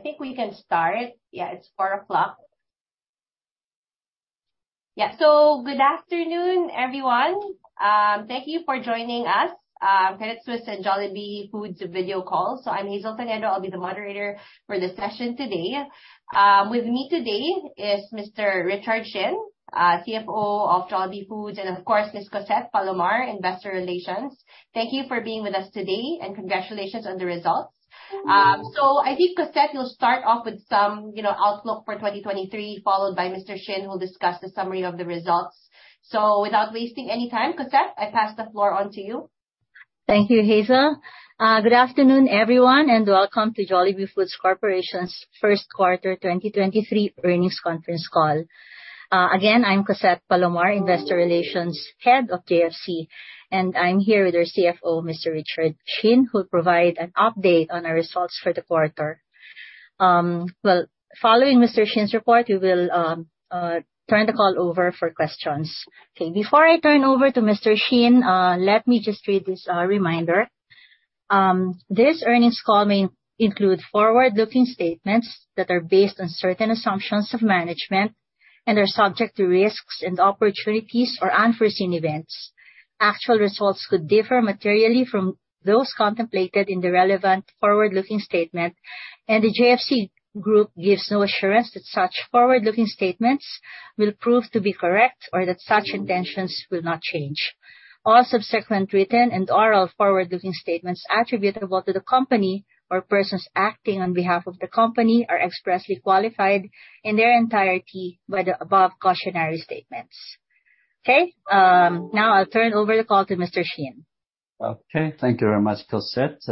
I think we can start. Yeah, it's 4:00 P.M. Yeah. Good afternoon, everyone. Thank you for joining us. Credit Suisse and Jollibee Foods video call. I'm Hazel Tangedo. I'll be the moderator for the session today. With me today is Mr. Richard Shin, CFO of Jollibee Foods, and of course, Ms. Cossette Palomar, investor relations. Thank you for being with us today, and congratulations on the results. I think, Cossette, you'll start off with some, you know, outlook for 2023, followed by Mr. Shin, who'll discuss the summary of the results. Without wasting any time, Cossette, I pass the floor on to you. Thank you, Hazel. Good afternoon, everyone, and welcome to Jollibee Foods Corporation's first quarter 2023 earnings conference call. Again, I'm Cossette Palomar, Investor Relations Head of JFC, and I'm here with our CFO, Mr. Richard Shin, who'll provide an update on our results for the quarter. Well, following Mr. Shin's report, we will turn the call over for questions. Okay. Before I turn over to Mr. Shin, let me just read this reminder. This earnings call may include forward-looking statements that are based on certain assumptions of management and are subject to risks and opportunities or unforeseen events. Actual results could differ materially from those contemplated in the relevant forward-looking statement, and the JFC Group gives no assurance that such forward-looking statements will prove to be correct or that such intentions will not change. All subsequent written and oral forward-looking statements attributable to the company or persons acting on behalf of the company are expressly qualified in their entirety by the above cautionary statements. Okay, now I'll turn over the call to Mr. Shin. Okay. Thank you very much, Cossette.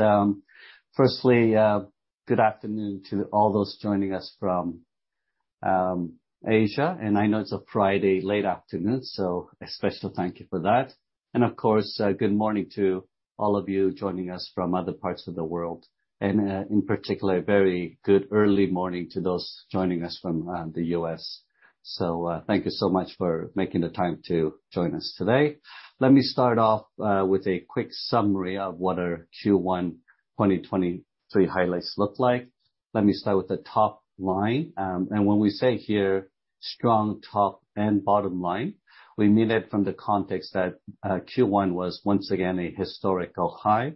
Firstly, good afternoon to all those joining us from Asia. I know it's a Friday, late afternoon, so a special thank you for that. Of course, good morning to all of you joining us from other parts of the world. In particular, a very good early morning to those joining us from the U.S. Thank you so much for making the time to join us today. Let me start off with a quick summary of what our Q1 2023 highlights look like. Let me start with the top line. When we say here strong top and bottom line, we mean it from the context that Q1 was once again a historical high,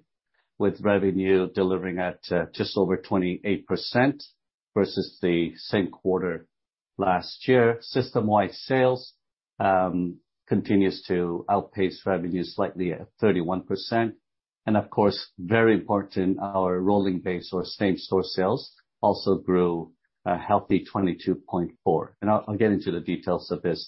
with revenue delivering at just over 28% versus the same quarter last year. System-wide sales continues to outpace revenue slightly at 31%. Of course, very important, our rolling base or same store sales also grew a healthy 22.4%. I'll get into the details of this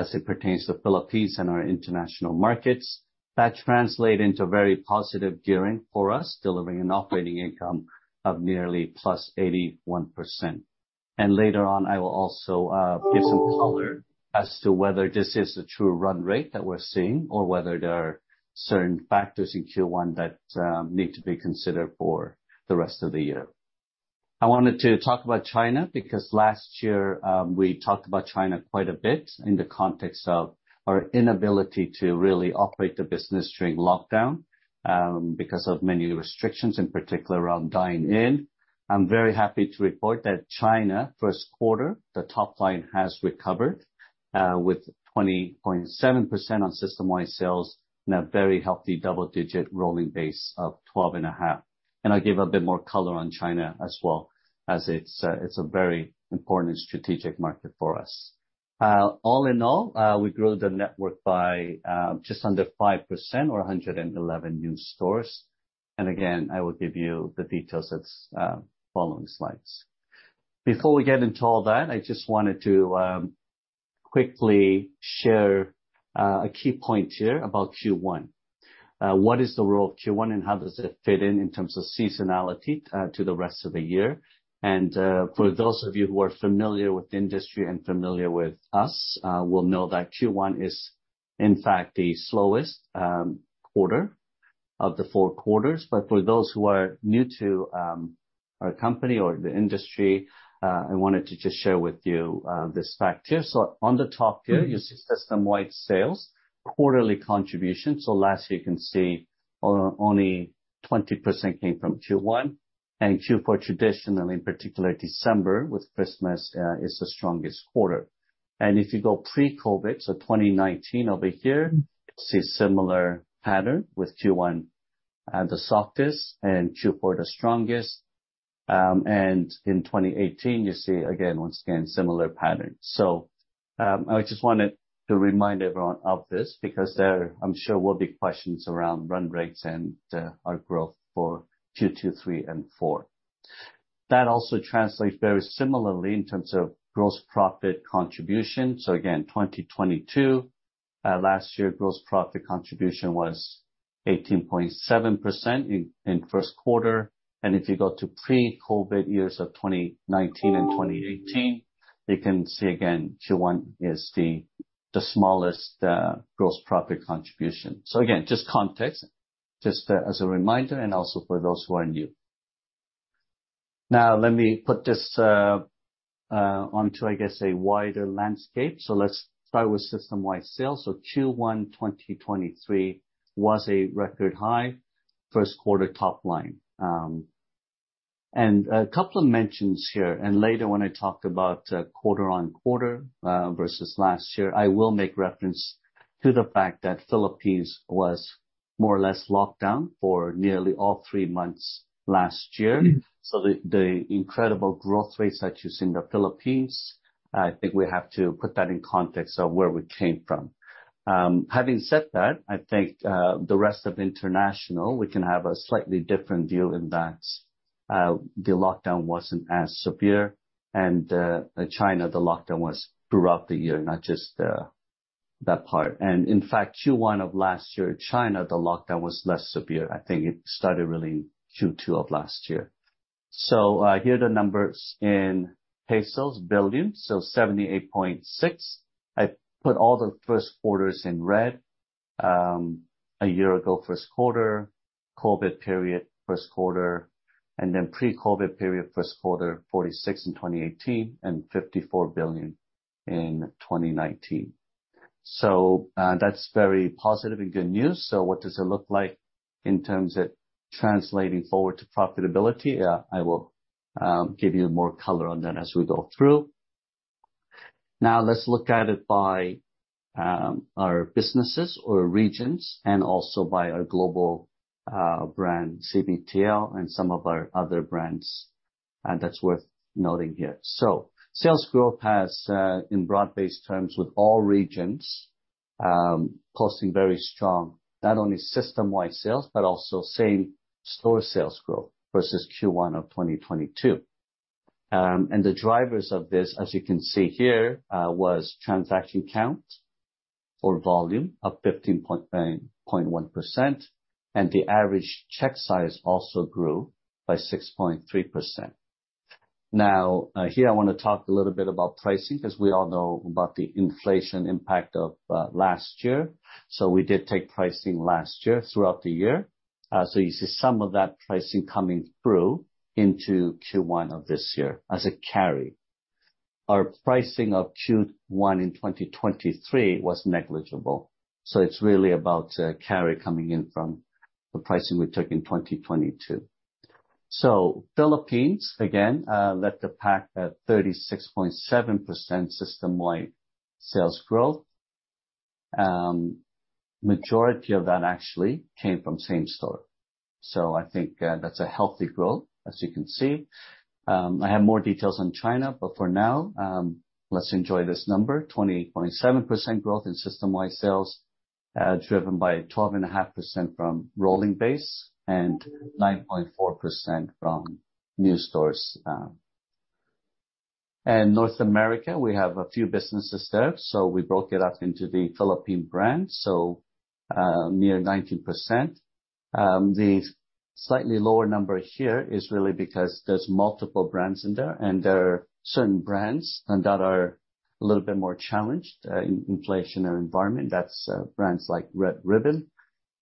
as it pertains to Philippines and our international markets. That translate into very positive gearing for us, delivering an operating income of nearly +81%. Later on, I will also give some color as to whether this is the true run rate that we're seeing or whether there are certain factors in Q1 that need to be considered for the rest of the year. I wanted to talk about China because last year, we talked about China quite a bit in the context of our inability to really operate the business during lockdown, because of many restrictions, in particular around dine in. I'm very happy to report that China first quarter, the top line has recovered, with 20.7% on system-wide sales and a very healthy double digit rolling base of 12.5%. I'll give a bit more color on China as well as it's a very important strategic market for us. All in all, we grew the network by just under 5% or 111 new stores. Again, I will give you the details at following slides. Before we get into all that, I just wanted to quickly share a key point here about Q1. What is the role of Q1, and how does it fit in in terms of seasonality, to the rest of the year? For those of you who are familiar with the industry and familiar with us, will know that Q1 is, in fact, the slowest quarter of the four quarters. For those who are new to our company or the industry, I wanted to just share with you this fact here. On the top here you see system-wide sales, quarterly contributions. Last year you can see only 20% came from Q1. Q4 traditionally, in particular December with Christmas, is the strongest quarter. If you go pre-COVID, 2019 over here, you see similar pattern with Q1, the softest and Q4 the strongest. In 2018, you see again, once again, similar patterns. I just wanted to remind everyone of this because there, I'm sure, will be questions around run rates and our growth for Q2, three, and four. That also translates very similarly in terms of gross profit contribution. Again, 2022 last year gross profit contribution was 18.7% in first quarter. If you go to pre-COVID years of 2019 and 2018, you can see again Q1 is the smallest gross profit contribution. Again, just context, just as a reminder and also for those who are new. Let me put this onto, I guess, a wider landscape. Let's start with system-wide sales. Q1 2023 was a record high first quarter top line. A couple of mentions here, and later when I talk about quarter-on-quarter versus last year, I will make reference to the fact that Philippines was more or less locked down for nearly all 3 months last year. The incredible growth rates that you see in the Philippines, I think we have to put that in context of where we came from. Having said that, I think the rest of international, we can have a slightly different view in that the lockdown wasn't as severe and China, the lockdown was throughout the year, not just that part. In fact, Q1 of last year, China, the lockdown was less severe. I think it started really in Q2 of last year. Here are the numbers in pesos billion, 78.6 billion. I put all the first quarters in red. A year ago first quarter, COVID period first quarter, pre-COVID period first quarter, 46 billion in 2018, and 54 billion in 2019. That's very positive and good news. What does it look like in terms of translating forward to profitability? I will give you more color on that as we go through. Now let's look at it by our businesses or regions and also by our global brand, CBTL, and some of our other brands, and that's worth noting here. Sales growth has in broad-based terms with all regions posting very strong not only System-wide sales but also Same store sales growth versus Q1 of 2022. The drivers of this, as you can see here, was transaction count or volume of 15.1%, and the average check size also grew by 6.3%. Here I wanna talk a little bit about pricing, 'cause we all know about the inflation impact of last year. We did take pricing last year throughout the year. You see some of that pricing coming through into Q1 of this year as a carry. Our pricing of Q1 in 2023 was negligible, so it's really about a carry coming in from the pricing we took in 2022. Philippines, again, led the pack at 36.7% System-wide sales growth. Majority of that actually came from Same store. I think that's a healthy growth, as you can see. I have more details on China. For now, let's enjoy this number, 28.7% growth in System-wide sales, driven by 12.5% from rolling base and 9.4% from new stores. North America, we have a few businesses there, so we broke it up into the Philippine brands, near 19%. The slightly lower number here is really because there's multiple brands in there, and there are certain brands that are a little bit more challenged in inflation environment. That's brands like Red Ribbon.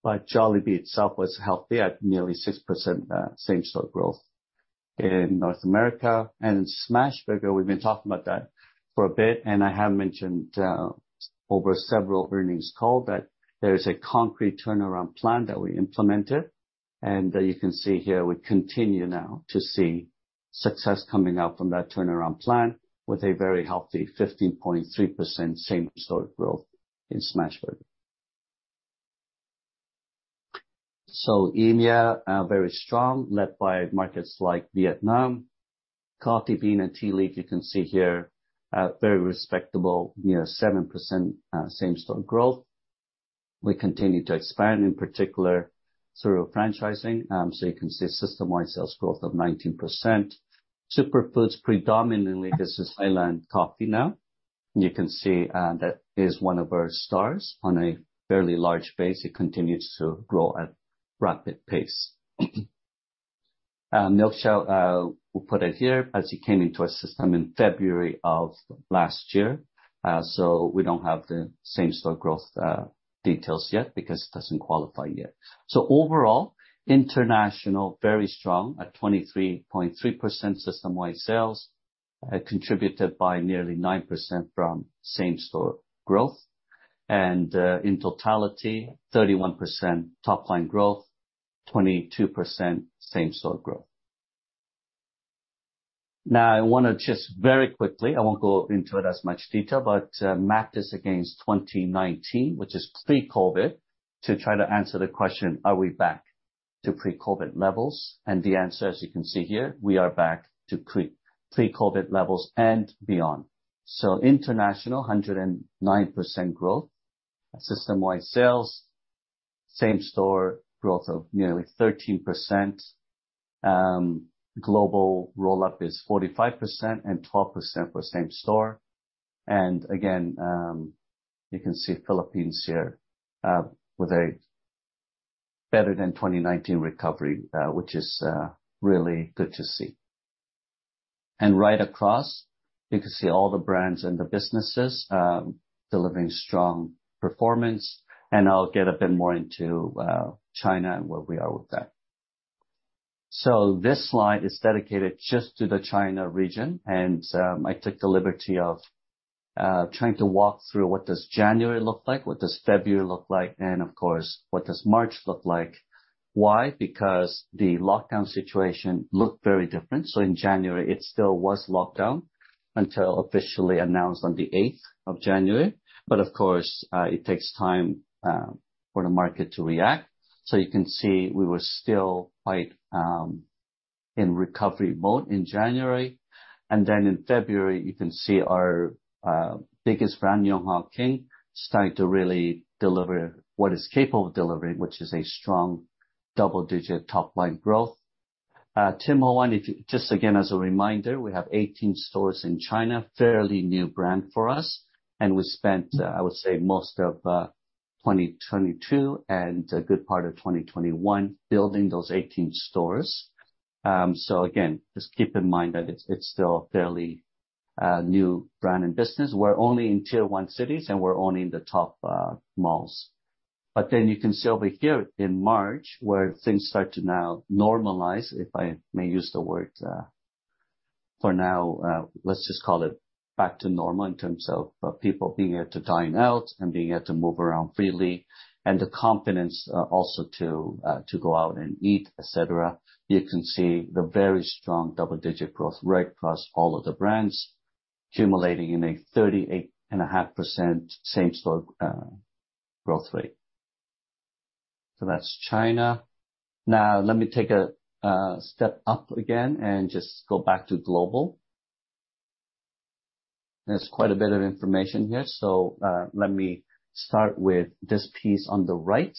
Jollibee itself was healthy at nearly 6%, Same-store growth in North America. Smashburger, we've been talking about that for a bit, and I have mentioned over several earnings call that there is a concrete turnaround plan that we implemented. You can see here we continue now to see success coming out from that turnaround plan with a very healthy 15.3% same-store growth in Smashburger. India, very strong, led by markets like Vietnam. Coffee Bean & Tea Leaf, you can see here, very respectable, near 7% same-store growth. We continue to expand, in particular through franchising, you can see system-wide sales growth of 19%. Superfoods predominantly, this is Highlands Coffee now. You can see, that is one of our stars. On a fairly large base, it continues to grow at rapid pace. Milksha, we'll put it here, as it came into our system in February of last year, we don't have the same-store growth details yet because it doesn't qualify yet. Overall, international, very strong at 23.3% system-wide sales, contributed by nearly 9% from same-store growth. In totality, 31% top line growth, 22% same-store growth. I wanna just very quickly, I won't go into it as much detail, but map this against 2019, which is pre-COVID, to try to answer the question, are we back to pre-COVID levels? The answer, as you can see here, we are back to pre-COVID levels and beyond. International, 109% growth, system-wide sales, same-store growth of nearly 13%. Global roll-up is 45% and 12% for same store. Again, you can see Philippines here, with a better than 2019 recovery, which is really good to see. Right across, you can see all the brands and the businesses delivering strong performance, and I'll get a bit more into China and where we are with that. This slide is dedicated just to the China region. I took the liberty of trying to walk through what does January look like, what does February look like, and of course, what does March look like. Why? Because the lockdown situation looked very different. In January it still was lockdown until officially announced on the eighth of January. Of course, it takes time for the market to react. You can see we were still quite in recovery mode in January. In February, you can see our biggest brand Yonghe King starting to really deliver what it's capable of delivering, which is a strong double-digit top line growth. Tim Hortons, if you just again as a reminder, we have 18 stores in China. Fairly new brand for us, and we spent, I would say most of 2022 and a good part of 2021 building those 18 stores. Again, just keep in mind that it's still a fairly new brand and business. We're only in tier 1 cities and we're only in the top malls. You can see over here in March where things start to now normalize, if I may use the word, for now, let's just call it back to normal in terms of people being able to dine out and being able to move around freely, and the confidence also to go out and eat, et cetera. You can see the very strong double-digit growth rate across all of the brands, accumulating in a 38.5% same-store growth rate. That's China. Let me take a step up again and just go back to global. There's quite a bit of information here. Let me start with this piece on the right.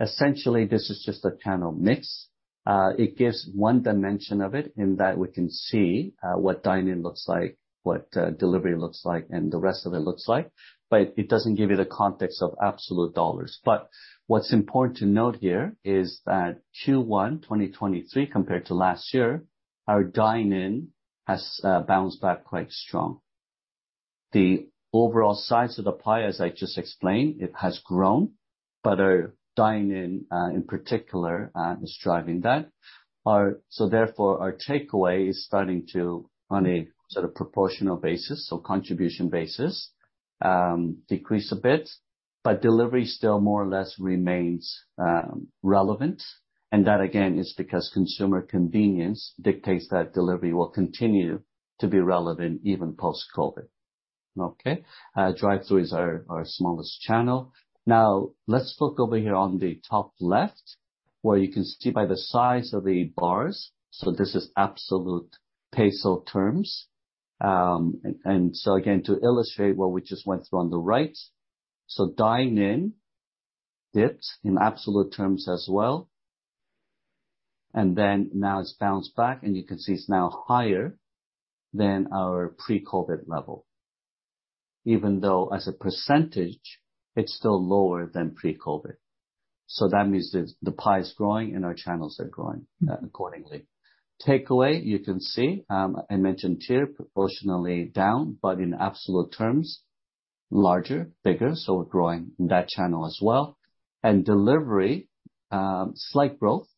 Essentially this is just a channel mix. It gives one dimension of it in that we can see what dine-in looks like, what delivery looks like and the rest of it looks like, but it doesn't give you the context of absolute dollars. What's important to note here is that Q1 2023 compared to last year, our dine-in has bounced back quite strong. The overall size of the pie, as I just explained, it has grown. Our dine-in, in particular, is driving that. Therefore, our takeaway is starting to on a sort of proportional basis or contribution basis, decrease a bit. Delivery still more or less remains relevant. That again is because consumer convenience dictates that delivery will continue to be relevant even post-COVID. Okay? Drive-thru is our smallest channel. Let's look over here on the top left where you can see by the size of the bars. This is absolute PHP terms. Again to illustrate what we just went through on the right. Dine-in dipped in absolute terms as well, and then now it's bounced back and you can see it's now higher than our pre-COVID level. Even though as a % it's still lower than pre-COVID. That means the pie is growing and our channels are growing accordingly. Takeaway you can see, I mentioned here proportionally down, but in absolute terms larger, bigger. We're growing in that channel as well. Delivery, slight growth,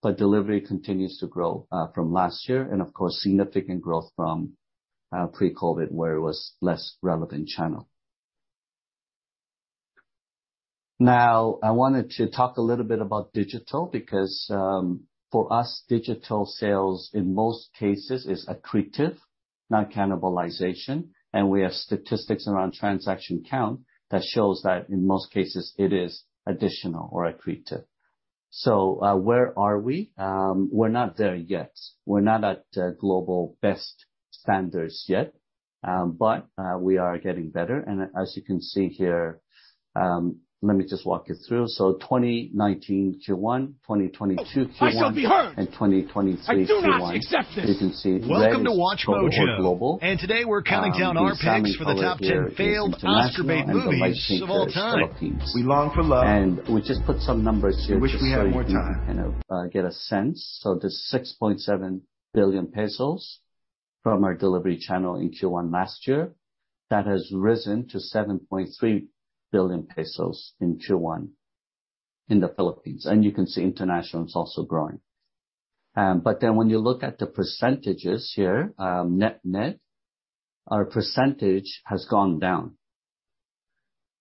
but delivery continues to grow from last year and of course significant growth from pre-COVID where it was less relevant channel. I wanted to talk a little bit about digital because for us digital sales in most cases is accretive, not cannibalization. We have statistics around transaction count that shows that in most cases it is additional or accretive. Where are we? We're not there yet. We're not at global best standards yet. We are getting better. As you can see here, let me just walk you through. 2019 Q1, 2022 Q1. I shall be heard. 2023 Q1. I do not accept this. Welcome to WatchMojo. Today we're counting down our picks for the top 10 failed Oscar bait movies of all time. You can see red is for global. We're summing all of it here is international and the light pink is Philippines. We just put some numbers here just so you can, you know, get a sense. There's 6.7 billion pesos from our delivery channel in Q1 last year. That has risen to 7.3 billion pesos in Q1 in the Philippines. You can see international is also growing. When you look at the percentages here, net net our percentage has gone down,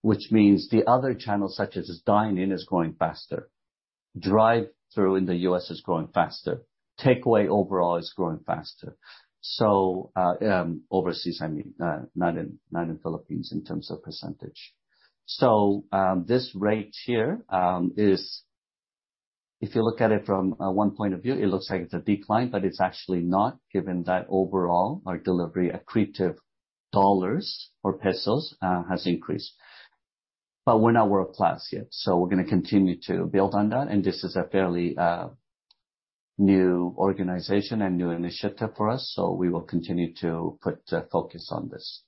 which means the other channels such as dine-in is growing faster. Drive-thru in the U.S. is growing faster. Takeaway overall is growing faster. Overseas I mean, not in, not in Philippines in terms of percentage. This rate here is if you look at it from one point of view, it looks like it's a decline, but it's actually not given that overall our delivery accretive dollars or pesos has increased. We're not world-class yet. We're gonna continue to build on that and this is a fairly new organization and new initiative for us. We will continue to put focus on this.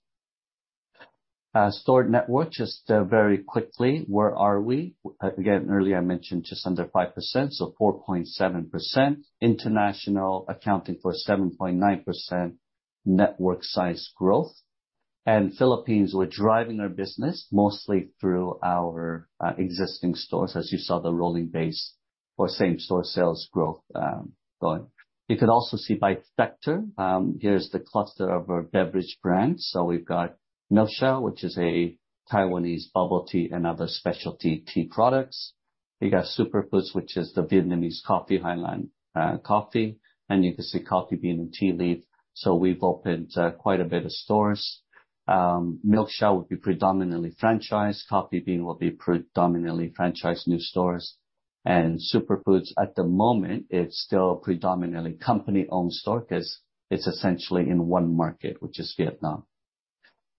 Store network just very quickly, where are we? Again, earlier I mentioned just under 5%, so 4.7%. International accounting for 7.9% network size growth. Philippines were driving our business mostly through our existing stores. As you saw, the rolling base or same store sales growth going. You could also see by sector, here's the cluster of our beverage brands. We've got Milksha, which is a Taiwanese bubble tea and other specialty tea products. We got Superfoods, which is the Vietnamese coffee, Highlands Coffee, and you can see Coffee Bean & Tea Leaf. We've opened quite a bit of stores. Milksha would be predominantly franchised. Coffee Bean will be predominantly franchised new stores. And Superfoods at the moment, it's still predominantly company-owned store because it's essentially in one market, which is Vietnam.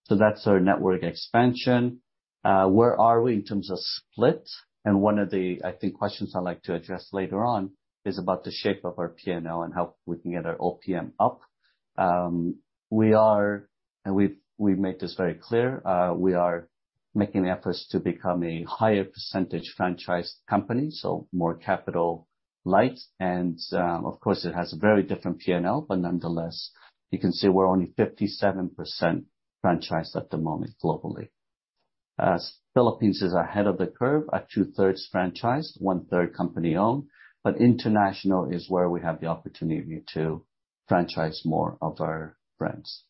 That's our network expansion. Where are we in terms of split? One of the, I think, questions I'd like to address later on is about the shape of our P&L and how we can get our OPM up. We are, and we've made this very clear, we are making efforts to become a higher percentage franchised company, so more capital light. Of course, it has a very different P&L, but nonetheless, you can see we're only 57% franchised at the moment globally. Philippines is ahead of the curve at two-thirds franchised, one-third company-owned, but international is where we have the opportunity to franchise more of our brands.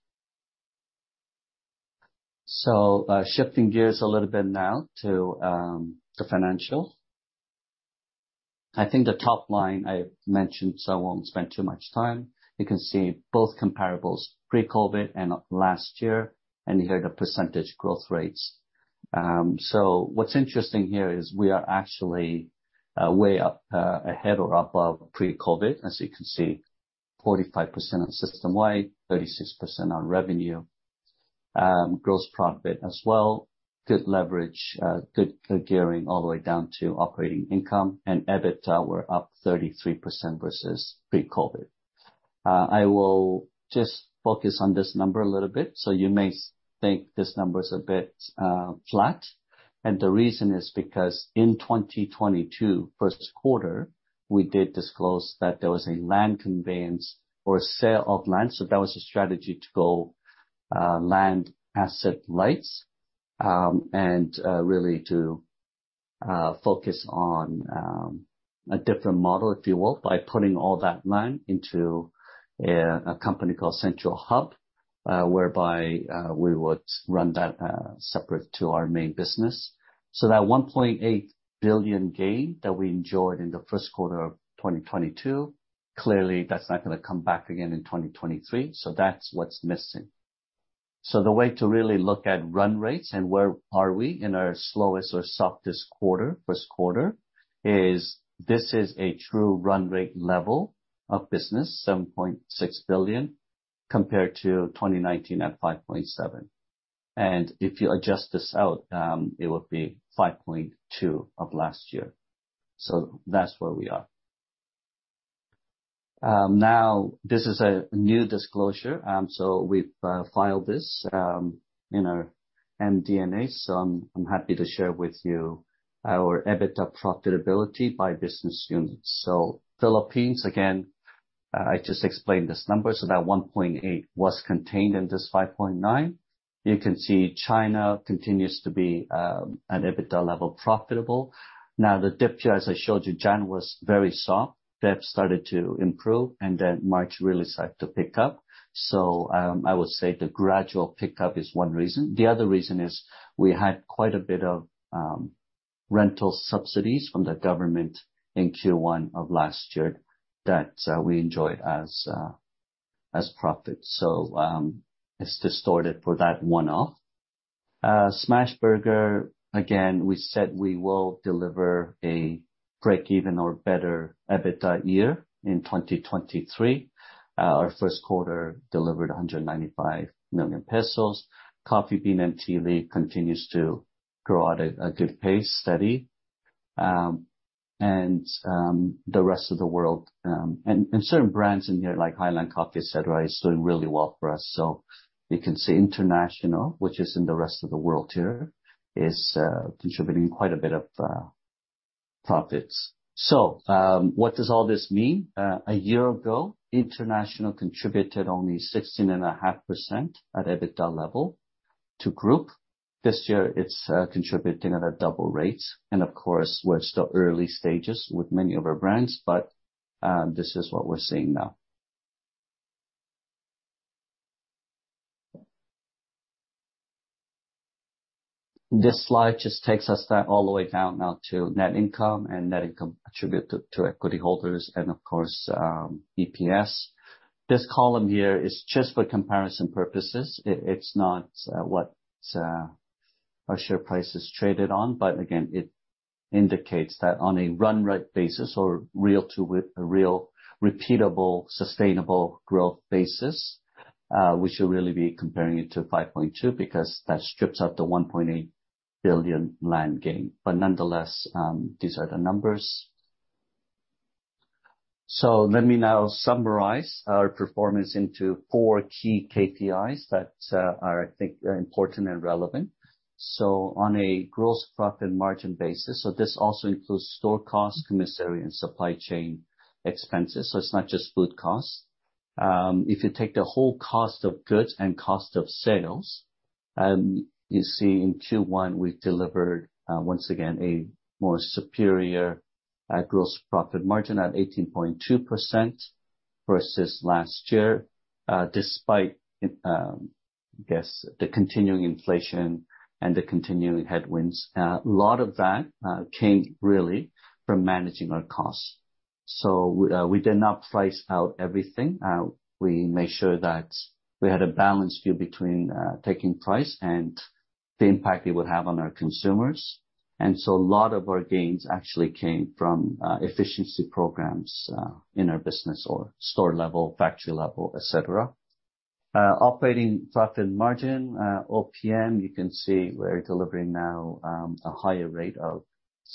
Shifting gears a little bit now to the financial. I think the top line I mentioned, so I won't spend too much time. You can see both comparables pre-COVID and last year, and you hear the percentage growth rates. What's interesting here is we are actually way up ahead or above pre-COVID. You can see, 45% on system-wide, 36% on revenue. Gross profit as well. Good leverage, good gearing all the way down to operating income. EBITDA we're up 33% versus pre-COVID. I will just focus on this number a little bit. You may think this number is a bit flat, and the reason is because in 2022, first quarter, we did disclose that there was a land conveyance or a sale of land. That was a strategy to go land asset lights, and really to focus on a different model, if you will, by putting all that land into a company called Central Hub, whereby we would run that separate to our main business. That 1.8 billion gain that we enjoyed in the first quarter of 2022, clearly that's not gonna come back again in 2023. That's what's missing. The way to really look at run rates and where are we in our slowest or softest quarter, first quarter, is this is a true run rate level of business, 7.6 billion, compared to 2019 at 5.7 billion. If you adjust this out, it would be 5.2 billion of last year. That's where we are. This is a new disclosure, so we've filed this in our MD&A, so I'm happy to share with you our EBITDA profitability by business units. Philippines, again, I just explained this number, so that 1.8 billion was contained in this 5.9 billion. You can see China continues to be an EBITDA level profitable. The dip here, as I showed you, January was very soft. Feb started to improve, and then March really started to pick up. I would say the gradual pickup is one reason. The other reason is we had quite a bit of rental subsidies from the government in Q1 of last year that we enjoyed as profit. It's distorted for that one-off. Smashburger, again, we said we will deliver a break-even or better EBITDA year in 2023. Our first quarter delivered 195 million pesos. Coffee Bean & Tea Leaf continues to grow at a good pace, steady. The rest of the world, certain brands in here like Highlands Coffee, etcetera, is doing really well for us. You can see international, which is in the rest of the world here, is contributing quite a bit of profits. What does all this mean? A year ago, international contributed only 16.5% at EBITDA level to group. This year it's contributing at a double rate. Of course, we're still early stages with many of our brands, but this is what we're seeing now. This slide just takes us down, all the way down now to net income and net income attribute to equity holders and of course, EPS. This column here is just for comparison purposes. It's not what our share price is traded on, but again, it indicates that on a run rate basis or real repeatable, sustainable growth basis, we should really be comparing it to 5.2 because that strips out the 1.8 billion land gain. Nonetheless, these are the numbers. Let me now summarize our performance into four key KPIs that are, I think, important and relevant. On a gross profit margin basis, so this also includes store cost, commissary, and supply chain expenses, so it's not just food costs. If you take the whole cost of goods and cost of sales, you see in Q1 we've delivered, once again, a more superior, gross profit margin at 18.2% versus last year, despite, I guess, the continuing inflation and the continuing headwinds. A lot of that came really from managing our costs. We did not price out everything. We made sure that we had a balanced view between taking price and the impact it would have on our consumers. A lot of our gains actually came from efficiency programs in our business or store level, factory level, et cetera. Operating profit margin, OPM, you can see we're delivering now a higher rate of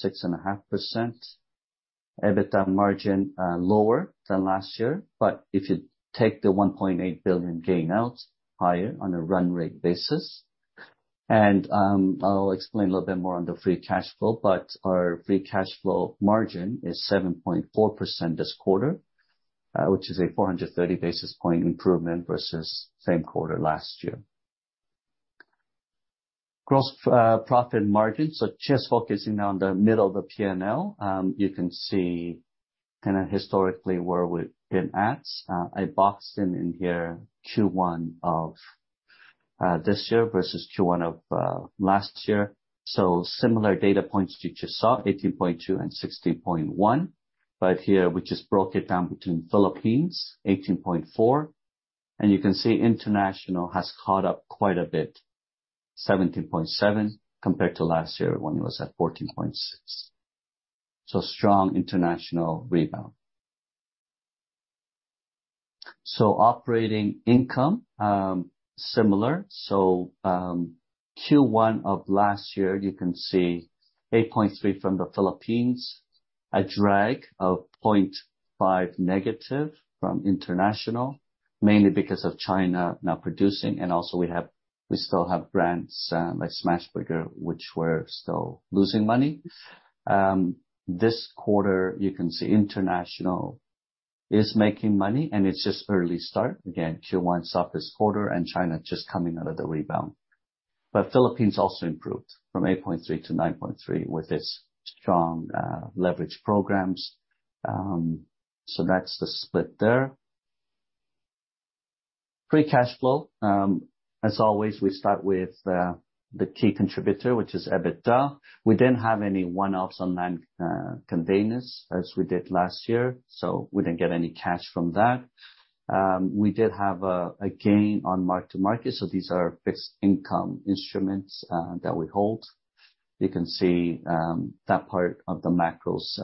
6.5%. EBITDA margin, lower than last year. If you take the 1.8 billion gain out, higher on a run rate basis. I'll explain a little bit more on the free cash flow, but our free cash flow margin is 7.4% this quarter, which is a 430 basis point improvement versus same quarter last year. Gross profit margin. Just focusing on the middle of the P&L, you can see kinda historically where we've been at. I boxed in here Q1 of this year versus Q1 of last year. Similar data points you just saw, 18.2% and 16.1%. Here we just broke it down between Philippines, 18.4%. You can see international has caught up quite a bit, 17.7%, compared to last year when it was at 14.6%. Strong international rebound. Operating income, similar. Q1 of last year, you can see 8.3% from the Philippines, a drag of 0.5% negative from international, mainly because of China now producing, and also we still have brands, like Smashburger, which we're still losing money. This quarter, you can see international is making money, and it's just early start. Again, Q1's toughest quarter and China just coming out of the rebound. Philippines also improved from 8.3% to 9.3% with its strong leverage programs. That's the split there. Free cash flow. As always, we start with the key contributor, which is EBITDA. We didn't have any one-offs on land conveyances as we did last year, we didn't get any cash from that. We did have a gain on mark-to-market, these are fixed income instruments that we hold. You can see that part of the macros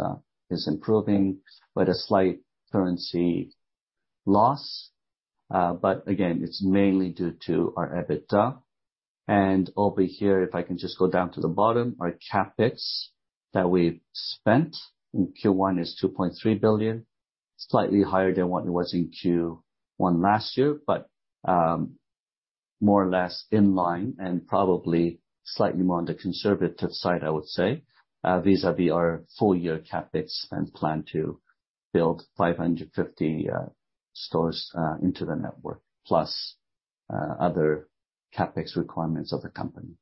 is improving with a slight currency loss. Again, it's mainly due to our EBITDA. Over here, if I can just go down to the bottom, our CapEx that we've spent in Q1 is 2.3 billion, slightly higher than what it was in Q1 last year, but more or less in line and probably slightly more on the conservative side, I would say, vis-a-vis our full-year CapEx and plan to build 550 stores into the network, plus other CapEx requirements of the company.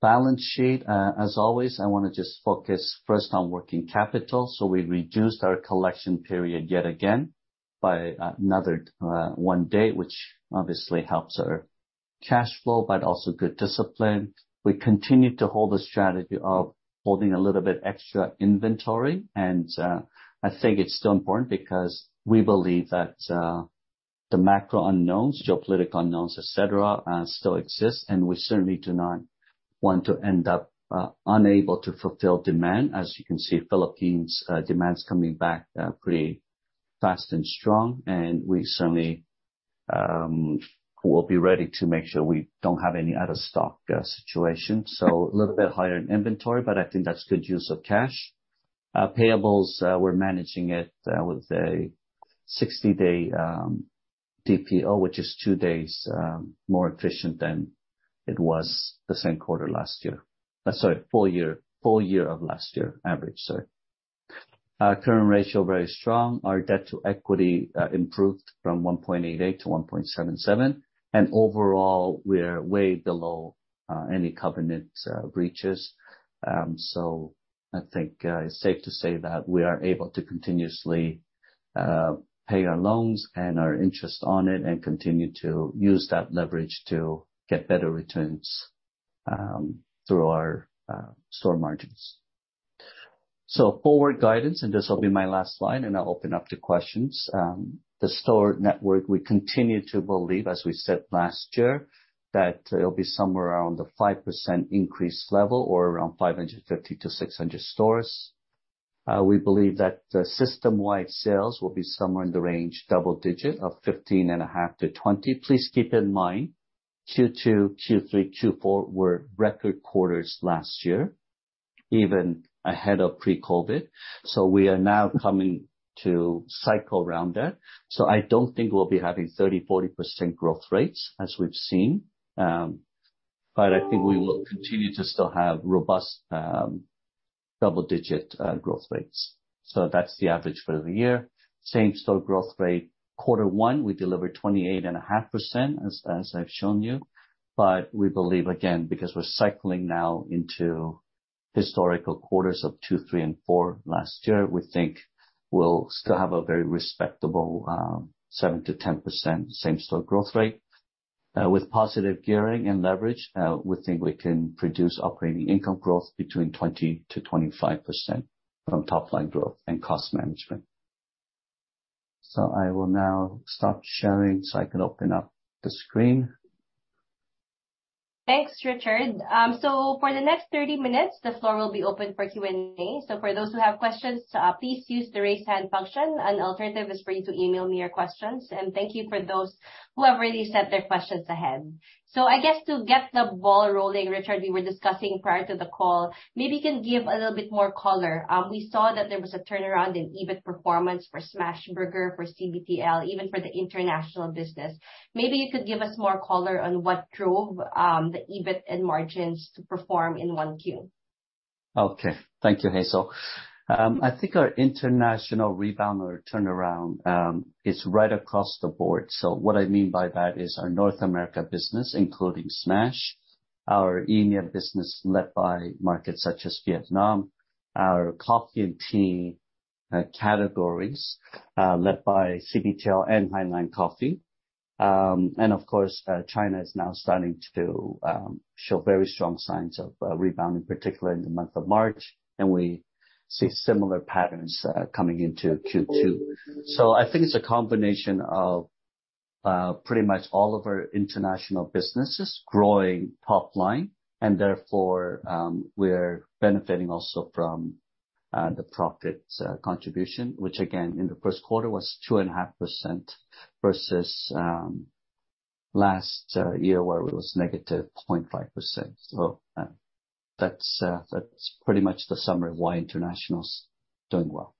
Balance sheet. As always, I wanna just focus first on working capital. We reduced our collection period yet again by another one day, which obviously helps our cash flow, but also good discipline. We continue to hold the strategy of holding a little bit extra inventory, and I think it's still important because we believe that the macro unknowns, geopolitical unknowns, et cetera, still exist, and we certainly do not want to end up unable to fulfill demand. As you can see, Philippines demand's coming back pretty fast and strong, and we certainly will be ready to make sure we don't have any out-of-stock situation. A little bit higher in inventory, but I think that's good use of cash. Payables, we're managing it with a 60-day DPO, which is two days more efficient than it was the same quarter last year. Sorry, full year, full year of last year average, sorry. Our current ratio, very strong. Our debt to equity improved from 1.88 to 1.77. Overall, we're way below any covenant breaches. I think it's safe to say that we are able to continuously pay our loans and our interest on it and continue to use that leverage to get better returns through our store margins. Forward guidance, and this will be my last slide, and I'll open up to questions. The store network, we continue to believe, as we said last year, that it'll be somewhere around the 5% increase level or around 550-600 stores. We believe that the System-wide sales will be somewhere in the range double digit of 15.5%-20%. Please keep in mind Q2, Q3, Q4 were record quarters last year, even ahead of pre-COVID. We are now coming to cycle around that. I don't think we'll be having 30%, 40% growth rates as we've seen. I think we will continue to still have robust, double-digit growth rates. That's the average for the year. Same-store growth rate. Quarter one, we delivered 28.5%, as I've shown you. We believe, again, because we're cycling now into historical quarters of two, three, and four last year, we think we'll still have a very respectable 7%-10% same-store growth rate. With positive gearing and leverage, we think we can produce operating income growth between 20%-25% from top-line growth and cost management. I will now stop sharing so I can open up the screen. Thanks, Richard. For the next 30 minutes, the floor will be open for Q&A. For those who have questions, please use the Raise Hand function. An alternative is for you to email me your questions. Thank you for those who have already sent their questions ahead. I guess to get the ball rolling, Richard, we were discussing prior to the call, maybe you can give a little bit more color. We saw that there was a turnaround in EBITDA performance for Smashburger, for CBTL, even for the international business. Maybe you could give us more color on what drove the EBITDA and margins to perform in 1Q. Thank you, Hazel. I think our international rebound or turnaround is right across the board. What I mean by that is our North America business, including Smash, our EMEA business led by markets such as Vietnam, our coffee and tea categories led by CBTL and Highlands Coffee. Of course, China is now starting to show very strong signs of rebounding, particularly in the month of March, and we see similar patterns coming into Q2. I think it's a combination of pretty much all of our international businesses growing top line, and therefore, we're benefiting also from the profit contribution, which again, in the first quarter was 2.5% versus last year where it was -0.5%. That's pretty much the summary of why international's doing well.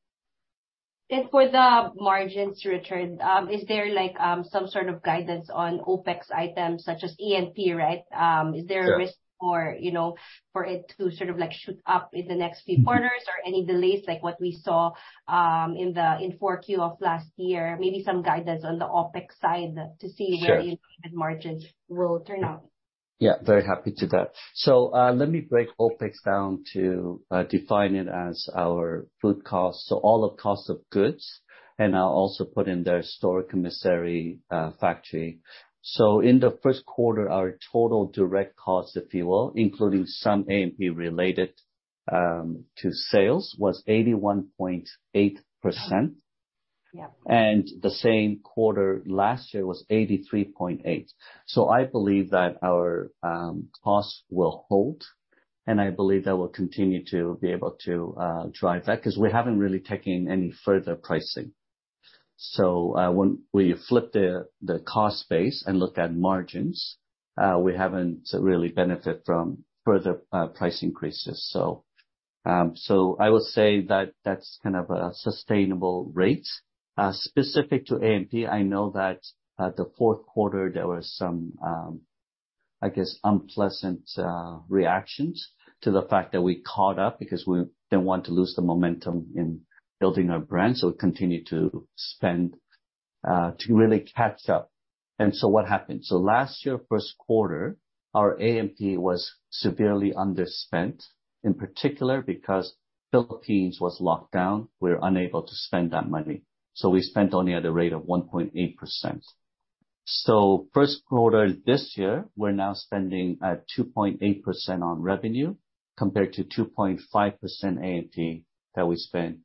For the margins, Richard, is there like, some sort of guidance on OpEx items such as A&P, right? Yeah. Is there a risk for, you know, for it to sort of like shoot up in the next few quarters or any delays like what we saw in 4Q of last year? Maybe some guidance on the OpEx side. Sure. the margins will turn out. very happy to that. let me break OpEx down to define it as our food costs, so all the cost of goods, and I'll also put in the store commissary, factory. in the first quarter, our total direct costs, if you will, including some A&P related to sales, was 81.8%. Yeah. The same quarter last year was 83.8%. I believe that our costs will hold, and I believe that we'll continue to be able to drive that, 'cause we haven't really taken any further pricing. When we flip the cost base and look at margins, we haven't really benefit from further price increases. So I will say that that's kind of a sustainable rate. Specific to A&P, I know that at the fourth quarter there was some, I guess unpleasant reactions to the fact that we caught up because we didn't want to lose the momentum in building our brand, we continued to spend to really catch up. What happened? Last year, first quarter, our A&P was severely underspent, in particular because Philippines was locked down. We were unable to spend that money, we spent only at a rate of 1.8%. First quarter this year, we're now spending at 2.8% on revenue, compared to 2.5% A&P that we spent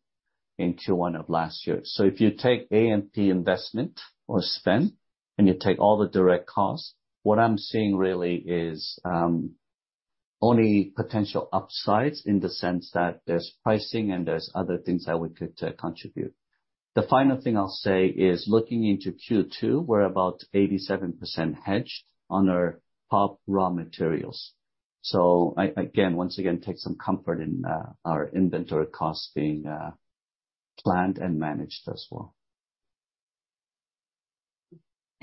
in Q1 of last year. If you take A&P investment or spend, and you take all the direct costs, what I'm seeing really is only potential upsides in the sense that there's pricing and there's other things that we could contribute. The final thing I'll say is looking into Q2, we're about 87% hedged on our top raw materials. Again, once again, take some comfort in our inventory costs being planned and managed as well.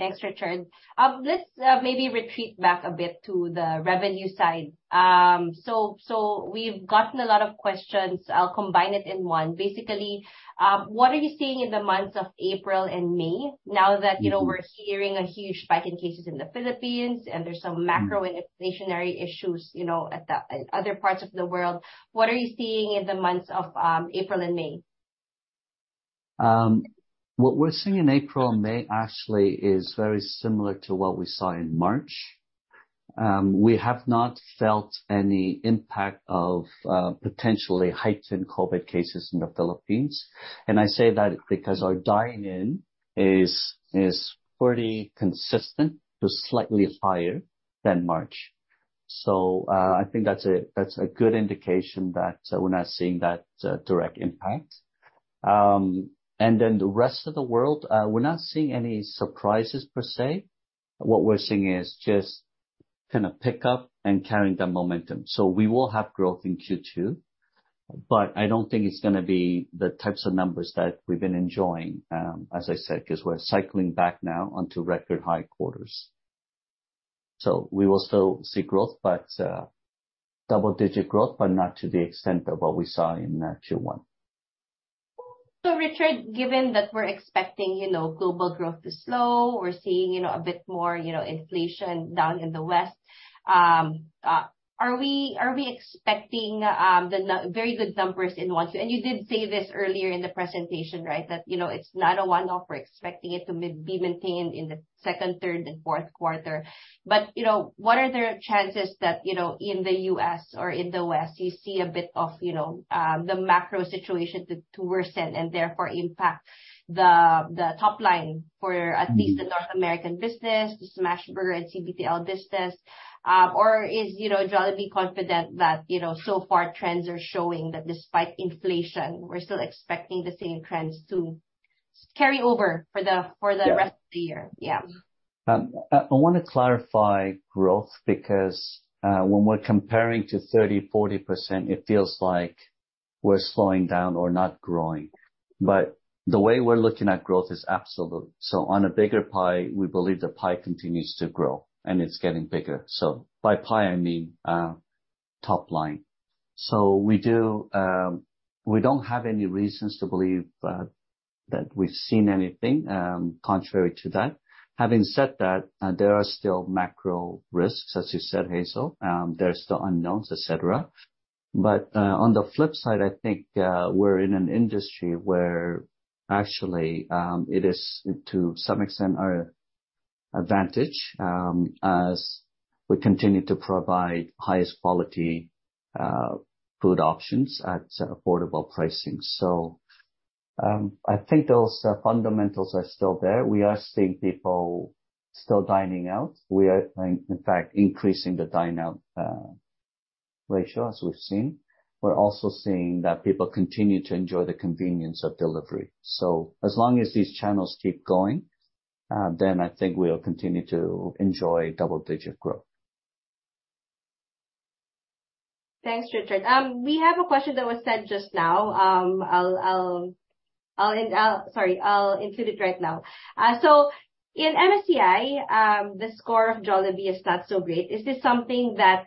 Thanks, Richard. Let's maybe retreat back a bit to the revenue side. We've gotten a lot of questions. I'll combine it in one. Basically, what are you seeing in the months of April and May now that, you know, we're hearing a huge spike in cases in the Philippines and there's some macro and inflationary issues, you know, at the, in other parts of the world? What are you seeing in the months of April and May? What we're seeing in April and May actually is very similar to what we saw in March. We have not felt any impact of potentially heightened COVID cases in the Philippines. I say that because our dine in is pretty consistent to slightly higher than March. I think that's a good indication that we're not seeing that direct impact. The rest of the world, we're not seeing any surprises per se. What we're seeing is just kind of pick up and carrying the momentum. We will have growth in Q2. I don't think it's gonna be the types of numbers that we've been enjoying, as I said, 'cause we're cycling back now onto record high quarters. We will still see growth, but double digit growth, but not to the extent of what we saw in Q1. Richard, given that we're expecting, you know, global growth to slow, we're seeing, you know, a bit more, you know, inflation down in the West. Are we expecting very good numbers in one, two? You did say this earlier in the presentation, right? That, you know, it's not a one-off. We're expecting it to be maintained in the second, third, and fourth quarter. You know, what are the chances that, you know, in the U.S. or in the West, you see a bit of, you know, the macro situation to worsen and therefore impact the top line? Mm-hmm. least the North American business, the Smashburger and CBTL business, or is, you know, Jollibee confident that, you know, so far trends are showing that despite inflation, we're still expecting the same trends to carry over? Yeah. rest of the year? Yeah. I wanna clarify growth because when we're comparing to 30%-40%, it feels like we're slowing down or not growing. The way we're looking at growth is absolute. On a bigger pie, we believe the pie continues to grow, and it's getting bigger. By pie, I mean top line. We do, we don't have any reasons to believe that we've seen anything contrary to that. Having said that, there are still macro risks, as you said, Hazel. There are still unknowns, et cetera. On the flip side, I think we're in an industry where actually it is to some extent our advantage as we continue to provide highest quality food options at affordable pricing. I think those fundamentals are still there. We are seeing people still dining out. We are in fact increasing the dine out ratio as we've seen. We're also seeing that people continue to enjoy the convenience of delivery. As long as these channels keep going, I think we'll continue to enjoy double-digit growth. Thanks, Richard. We have a question that was sent just now. Sorry, I'll include it right now. In MSCI, the score of Jollibee is not so great. Is this something that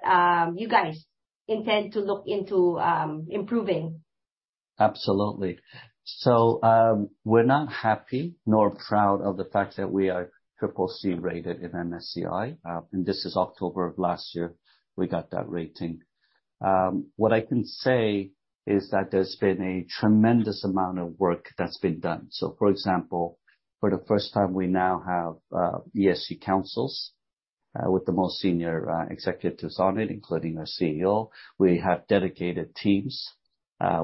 you guys intend to look into improving? Absolutely. We're not happy nor proud of the fact that we are triple C-rated in MSCI. This is October of last year, we got that rating. What I can say is that there's been a tremendous amount of work that's been done. For example, for the first time, we now have ESG councils with the most senior executives on it, including our CEO. We have dedicated teams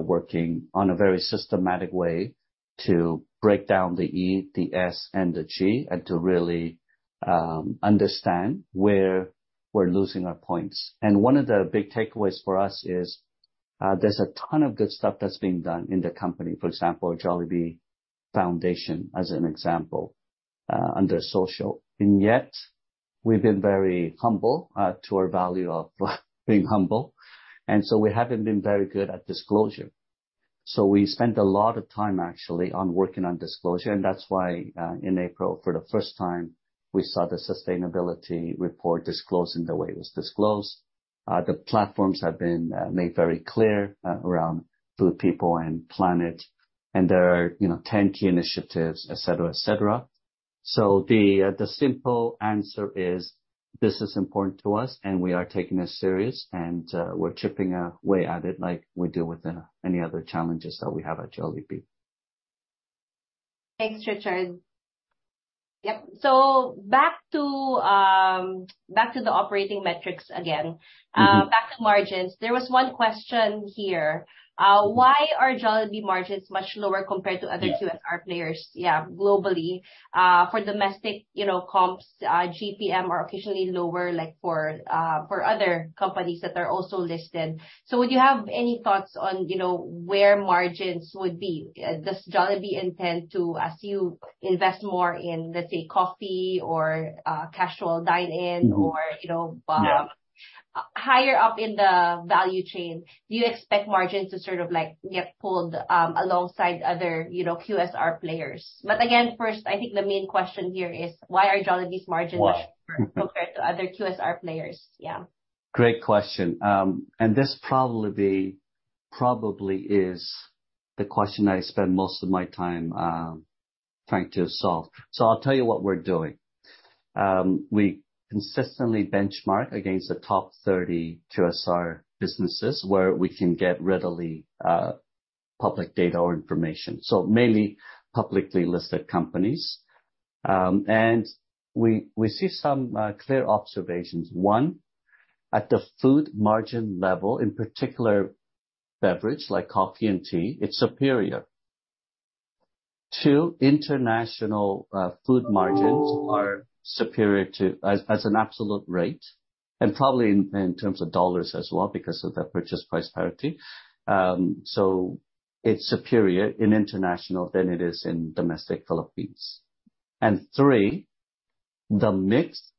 working on a very systematic way to break down the E, the S, and the G, and to really understand where we're losing our points. One of the big takeaways for us is, there's a ton of good stuff that's being done in the company. For example, Jollibee Foundation, as an example, under social. We've been very humble to our value of being humble, we haven't been very good at disclosure. We spent a lot of time actually on working on disclosure, and that's why in April, for the first time, we saw the sustainability report disclosing the way it was disclosed. The platforms have been made very clear around food, people, and planet. There are, you know, 10 key initiatives, et cetera, et cetera. The simple answer is, this is important to us, and we are taking this serious, we're chipping away at it like we do with any other challenges that we have at Jollibee. Thanks, Richard. Yep. Back to the operating metrics again. Mm-hmm. back to margins. There was one question here. why are Jollibee margins much lower compared to other- Yeah. QSR players, yeah, globally? For domestic, you know, comps, GPM are occasionally lower, like for other companies that are also listed. Would you have any thoughts on, you know, where margins would be? Does Jollibee intend to, as you invest more in, let's say, coffee or casual dine-in? Mm-hmm. or, you know, Yeah. higher up in the value chain. Do you expect margins to sort of like get pulled alongside other, you know, QSR players? Again, first, I think the main question here is why are Jollibee's margins? Why. lower compared to other QSR players? Yeah. Great question. This probably is the question I spend most of my time trying to solve. I'll tell you what we're doing. We consistently benchmark against the top 30 QSR businesses where we can get readily public data or information. Mainly publicly listed companies. We see some clear observations. One, at the food margin level, in particular beverage like coffee and tea, it's superior. Two, international food margins are superior to as an absolute rate, and probably in terms of dollars as well because of the purchase price parity. It's superior in international than it is in domestic Philippines. Three, the mix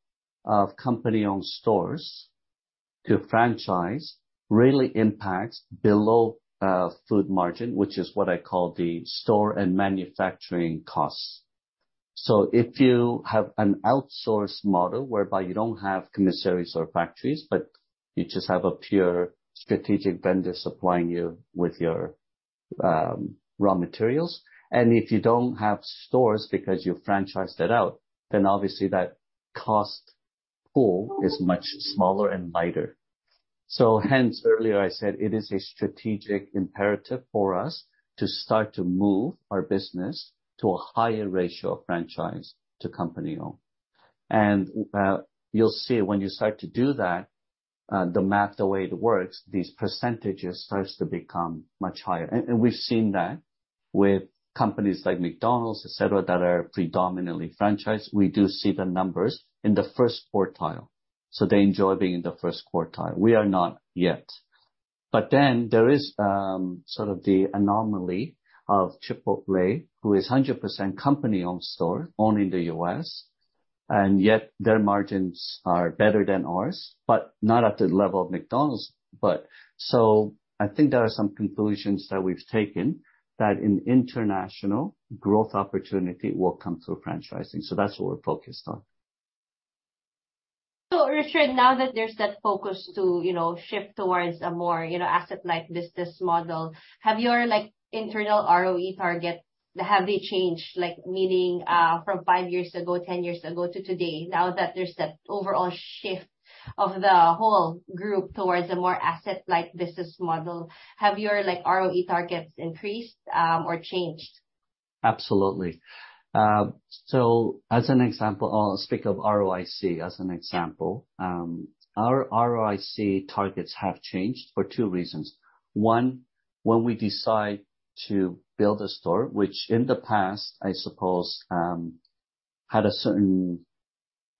of company-owned stores to franchise really impacts below food margin, which is what I call the store and manufacturing costs. If you have an outsourced model, whereby you don't have commissaries or factories, but you just have a pure strategic vendor supplying you with your raw materials, and if you don't have stores because you franchised it out, then obviously, that cost pool is much smaller and lighter. Hence earlier I said, it is a strategic imperative for us to start to move our business to a higher ratio of franchise to company-owned. You'll see when you start to do that, the math, the way it works, these percentages starts to become much higher. And we've seen that with companies like McDonald's, et cetera, that are predominantly franchised. We do see the numbers in the first quartile. They enjoy being in the first quartile. We are not yet. There is, sort of the anomaly of Chipotle, who is 100% company-owned store, only in the U.S., and yet their margins are better than ours, but not at the level of McDonald's. I think there are some conclusions that we've taken that in international growth opportunity will come through franchising. That's what we're focused on. Richard, now that there's that focus to, you know, shift towards a more, you know, asset-light business model, have your, like, internal ROE target, have they changed? Like, meaning, from 5 years ago, 10 years ago to today, now that there's that overall shift of the whole group towards a more asset-light business model, have your, like, ROE targets increased or changed? Absolutely. As an example, I'll speak of ROIC as an example. Our ROIC targets have changed for two reasons. One, when we decide to build a store, which in the past, I suppose, had a certain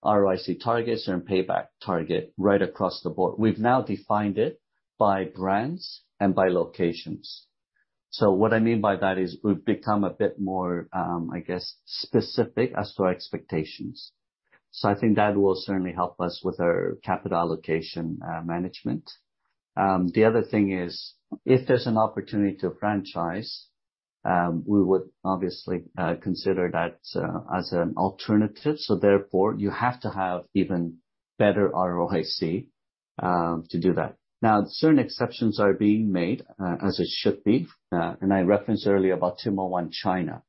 ROIC target, certain payback target, right across the board. We've now defined it by brands and by locations. What I mean by that is we've become a bit more, I guess, specific as to our expectations. I think that will certainly help us with our capital allocation management. The other thing is, if there's an opportunity to franchise, we would obviously consider that as an alternative. Therefore, you have to have even better ROIC to do that. Now, certain exceptions are being made, as it should be, I referenced earlier about Tim Ho Wan China.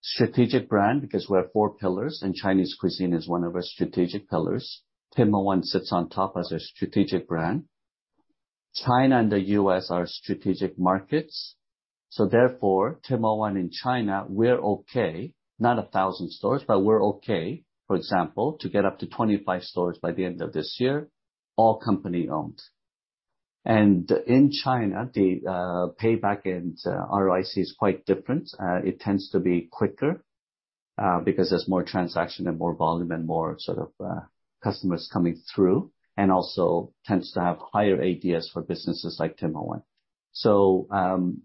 Strategic brand because we have four pillars, and Chinese cuisine is one of our strategic pillars. Tim Ho Wan sits on top as a strategic brand. China and the U.S. are strategic markets, therefore Tim Ho Wan in China, we're okay. Not 1,000 stores, but we're okay, for example, to get up to 25 stores by the end of this year, all company-owned. In China, the payback and ROIC is quite different. It tends to be quicker, because there's more transaction and more volume and more sort of, customers coming through, and also tends to have higher ADS for businesses like Tim Ho Wan.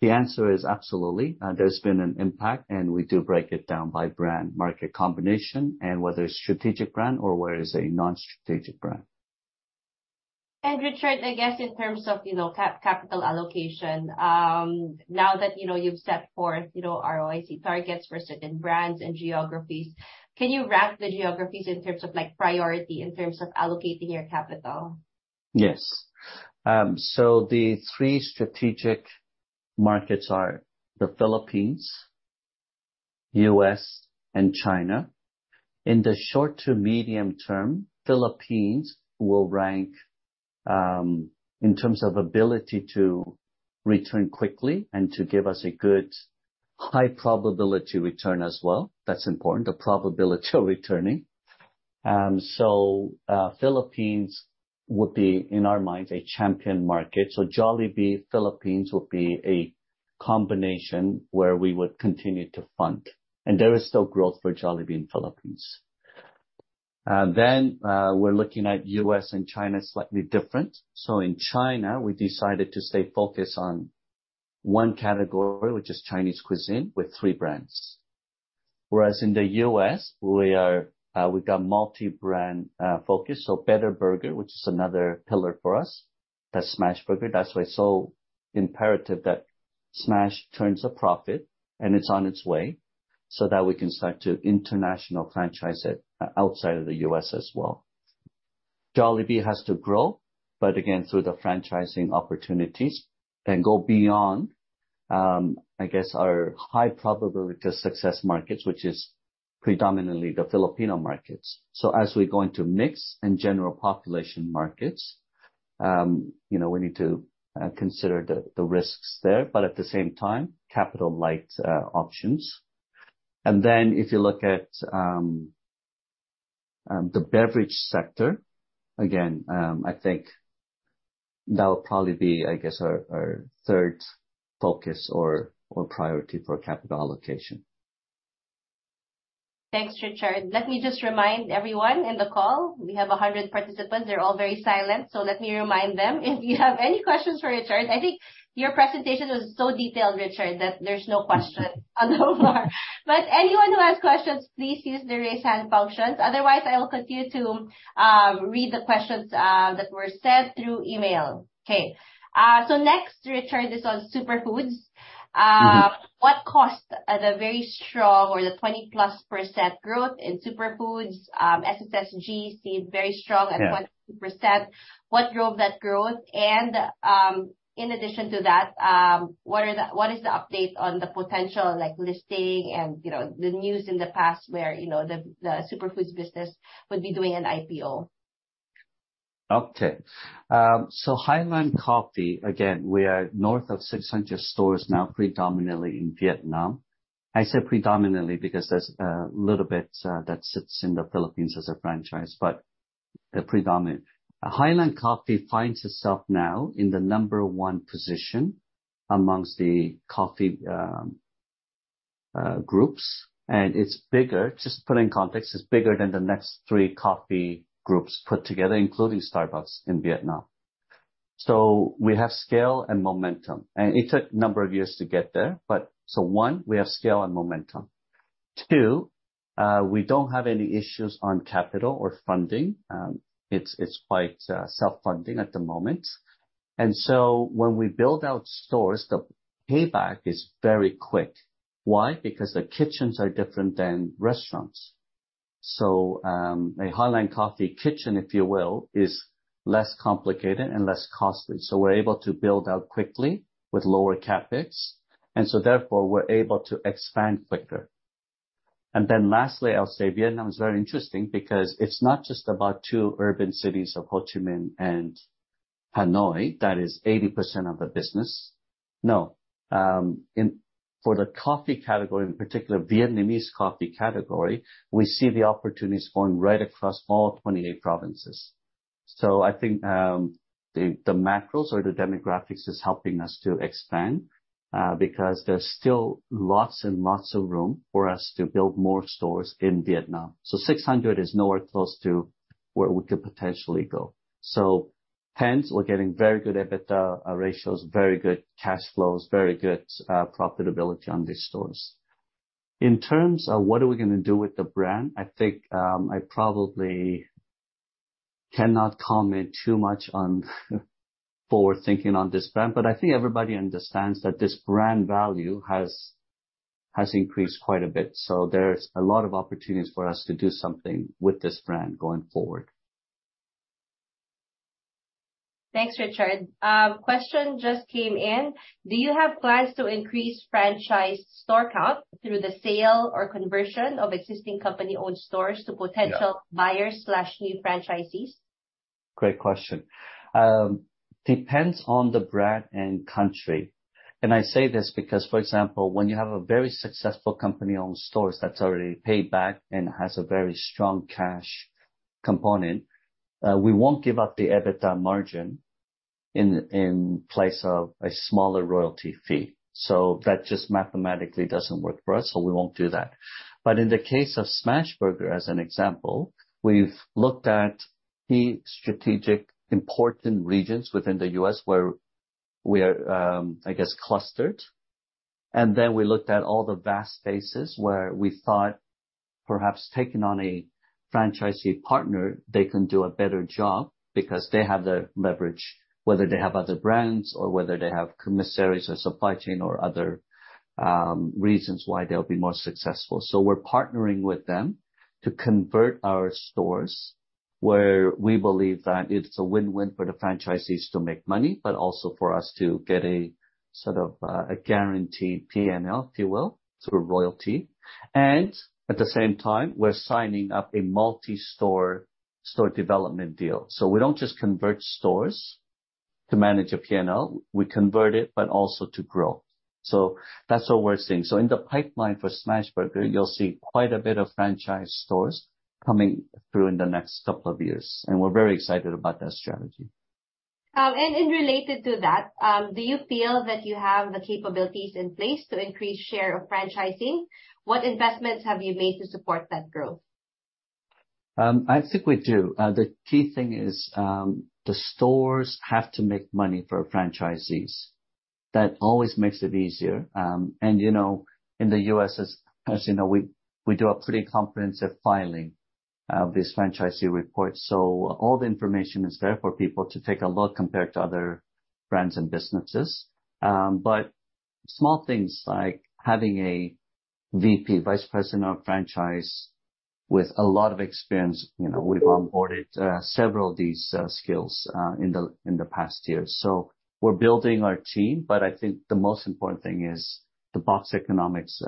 The answer is absolutely. There's been an impact, and we do break it down by brand market combination and whether it's strategic brand or whether it's a non-strategic brand. Richard, I guess in terms of, you know, capital allocation, now that, you know, you've set forth, you know, ROIC targets for certain brands and geographies, can you rank the geographies in terms of, like, priority in terms of allocating your capital? Yes. The three strategic markets are the Philippines, U.S., and China. In the short to medium term, Philippines will rank in terms of ability to return quickly and to give us a good high probability return as well. That's important, the probability of returning. Philippines would be, in our minds, a champion market. Jollibee Philippines will be a combination where we would continue to fund, and there is still growth for Jollibee in Philippines. We're looking at U.S. and China slightly different. In China, we decided to stay focused on one category, which is Chinese cuisine, with three brands. Whereas in the U.S., we've got multi-brand focus, so Better Burger, which is another pillar for us. That's Smashburger. That's why it's so imperative that Smash turns a profit, and it's on its way, so that we can start to international franchise it outside of the U.S. as well. Jollibee has to grow, again, through the franchising opportunities that go beyond, I guess, our high probability to success markets, which is predominantly the Filipino markets. As we go into mixed and general population markets, you know, we need to consider the risks there, but at the same time, capital light options. If you look at the beverage sector, again, I think that'll probably be, I guess, our third focus or priority for capital allocation. Thanks, Richard. Let me just remind everyone in the call, we have 100 participants. They're all very silent, so let me remind them if you have any questions for Richard... I think your presentation was so detailed, Richard, that there's no question anymore. Anyone who has questions, please use the Raise Hand functions. Otherwise, I will continue to read the questions that were sent through email. Okay. Next, Richard, is on Superfoods. Mm-hmm. What cost are the very strong or the 20+% growth in Superfoods Group? SSSG seemed very strong. Yeah ...1%. What drove that growth? In addition to that, what is the update on the potential, like, listing and, you know, the news in the past where, you know, the Superfoods business would be doing an IPO? Okay. Highlands Coffee, again, we are north of 600 stores now, predominantly in Vietnam. I say predominantly because there's a little bit that sits in the Philippines as a franchise, but they're predominant. Highlands Coffee finds itself now in the number one position amongst the coffee groups, and it's bigger. Just to put it in context, it's bigger than the next three coffee groups put together, including Starbucks in Vietnam. We have scale and momentum. It took a number of years to get there, but one, we have scale and momentum. Two, we don't have any issues on capital or funding. It's quite self-funding at the moment. When we build out stores, the payback is very quick. Why? Because the kitchens are different than restaurants. A Highlands Coffee kitchen, if you will, is less complicated and less costly, so we're able to build out quickly with lower CapEx, therefore we're able to expand quicker. Lastly, I'll say Vietnam is very interesting because it's not just about two urban cities of Ho Chi Minh and Hanoi, that is 80% of the business. No. For the coffee category, in particular, Vietnamese coffee category, we see the opportunities going right across all 28 provinces. I think, the macros or the demographics is helping us to expand because there's still lots and lots of room for us to build more stores in Vietnam. 600 is nowhere close to where we could potentially go. Hence we're getting very good EBITDA ratios, very good cash flows, very good profitability on these stores. In terms of what are we gonna do with the brand, I think, I probably cannot comment too much on forward thinking on this brand, but I think everybody understands that this brand value has increased quite a bit, so there's a lot of opportunities for us to do something with this brand going forward. Thanks, Richard. A question just came in. Do you have plans to increase franchise store count through the sale or conversion of existing company-owned stores to potential- Yeah. buyers/new franchisees? Great question. Depends on the brand and country. I say this because, for example, when you have a very successful company-owned stores that's already paid back and has a very strong cash component, we won't give up the EBITDA margin in place of a smaller royalty fee. That just mathematically doesn't work for us, so we won't do that. In the case of Smashburger, as an example, we've looked at key strategic important regions within the U.S. where we're, I guess, clustered. We looked at all the vast spaces where we thought perhaps taking on a franchisee partner, they can do a better job because they have the leverage, whether they have other brands or whether they have commissaries or supply chain or other reasons why they'll be more successful. We're partnering with them to convert our stores where we believe that it's a win-win for the franchisees to make money, but also for us to get a, sort of, a guaranteed P&L, if you will, through royalty. At the same time, we're signing up a multi-store, store development deal. We don't just convert stores to manage a P&L, we convert it, but also to grow. That's what we're seeing. In the pipeline for Smashburger, you'll see quite a bit of franchise stores coming through in the next couple of years, and we're very excited about that strategy. Related to that, do you feel that you have the capabilities in place to increase share of franchising? What investments have you made to support that growth? I think we do. The key thing is, the stores have to make money for franchisees. That always makes it easier. You know, in the U.S., as you know, we do a pretty comprehensive filing of this franchisee report. All the information is there for people to take a look compared to other brands and businesses. Small things like having a VP, vice president of franchise with a lot of experience. You know, we've onboarded several of these skills in the past year. We're building our team, but I think the most important thing is the box economics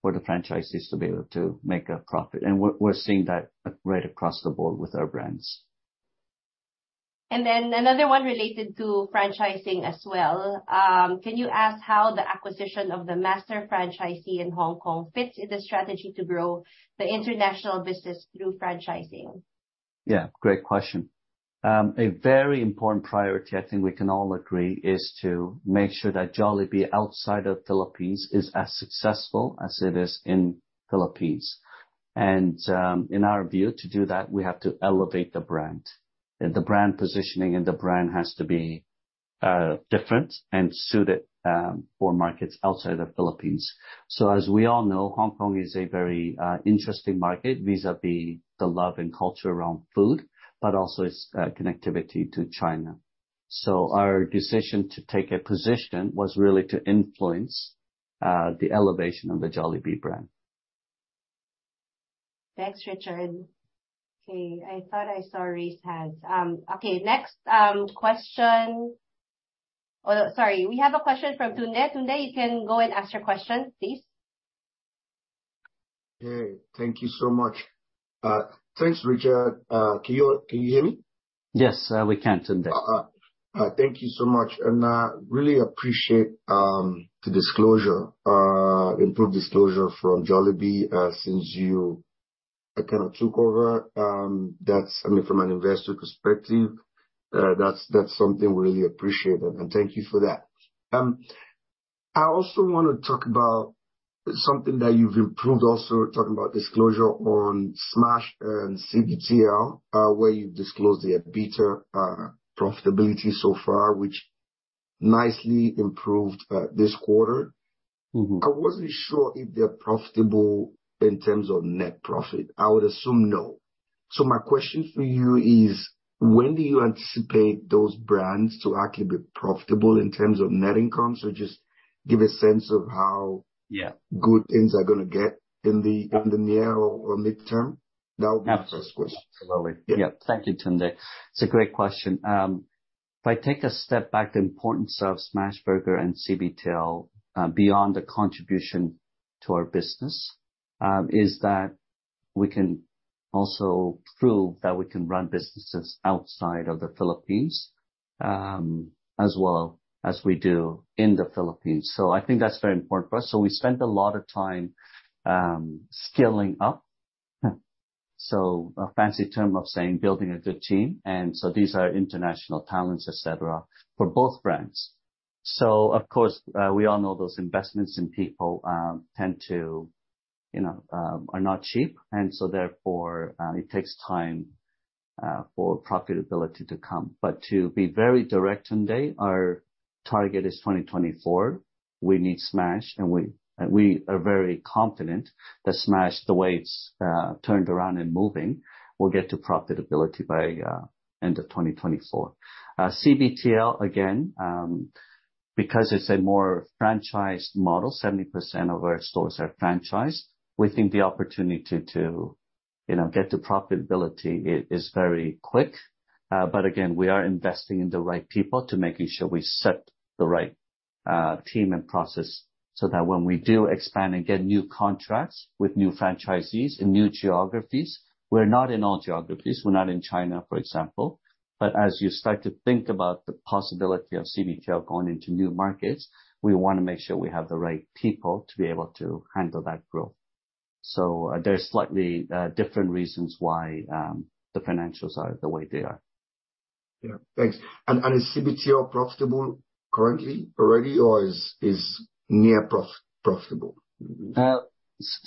for the franchisees to be able to make a profit. We're seeing that right across the board with our brands. Then another one related to franchising as well. Can you ask how the acquisition of the master franchisee in Hong Kong fits in the strategy to grow the international business through franchising? Yeah. Great question. A very important priority, I think we can all agree, is to make sure that Jollibee outside of Philippines is as successful as it is in Philippines. In our view, to do that, we have to elevate the brand. The brand positioning and the brand has to be different and suited for markets outside of Philippines. As we all know, Hong Kong is a very interesting market vis-a-vis the love and culture around food, but also its connectivity to China. Our decision to take a position was really to influence the elevation of the Jollibee brand. Thanks, Richard. Okay, I thought I saw Richard. Okay, next question. Sorry, we have a question from Tunde. Tunde, you can go and ask your question, please. Hey, thank you so much. Thanks, Richard. Can you hear me? Yes, we can, Tunde. Thank you so much. And I really appreciate the disclosure, improved disclosure from Jollibee since you kind of took over. That's, I mean, from an investor perspective, that's something really appreciated, and thank you for that. I also want to talk about something that you've improved also, talking about disclosure on Smash and CBTL, where you've disclosed the EBITDA profitability so far, which nicely improved this quarter. Mm-hmm. I wasn't sure if they're profitable in terms of net profit. I would assume no. My question for you is, when do you anticipate those brands to actually be profitable in terms of net income? Yeah. good things are gonna get in the near or mid-term. That would be my first question. Absolutely. Yeah. Thank you, Tunde. It's a great question. If I take a step back, the importance of Smashburger and CBTL, beyond the contribution to our business, is that we can also prove that we can run businesses outside of the Philippines, as well as we do in the Philippines. I think that's very important for us. We spend a lot of time, skilling up. A fancy term of saying, building a good team. These are international talents, et cetera, for both brands. Of course, we all know those investments in people, tend to, you know, are not cheap. Therefore, it takes time, for profitability to come. To be very direct, Tunde, our target is 2024. We need Smash, and we are very confident that Smash, the way it's turned around and moving, will get to profitability by end of 2024. CBTL, again, because it's a more franchised model, 70% of our stores are franchised. We think the opportunity to, you know, get to profitability is very quick. But again, we are investing in the right people to making sure we set the right team and process so that when we do expand and get new contracts with new franchisees in new geographies, we're not in all geographies, we're not in China, for example. As you start to think about the possibility of CBTL going into new markets, we wanna make sure we have the right people to be able to handle that growth. There's slightly different reasons why the financials are the way they are. Yeah. Thanks. Is CBTL profitable currently already or is near profitable?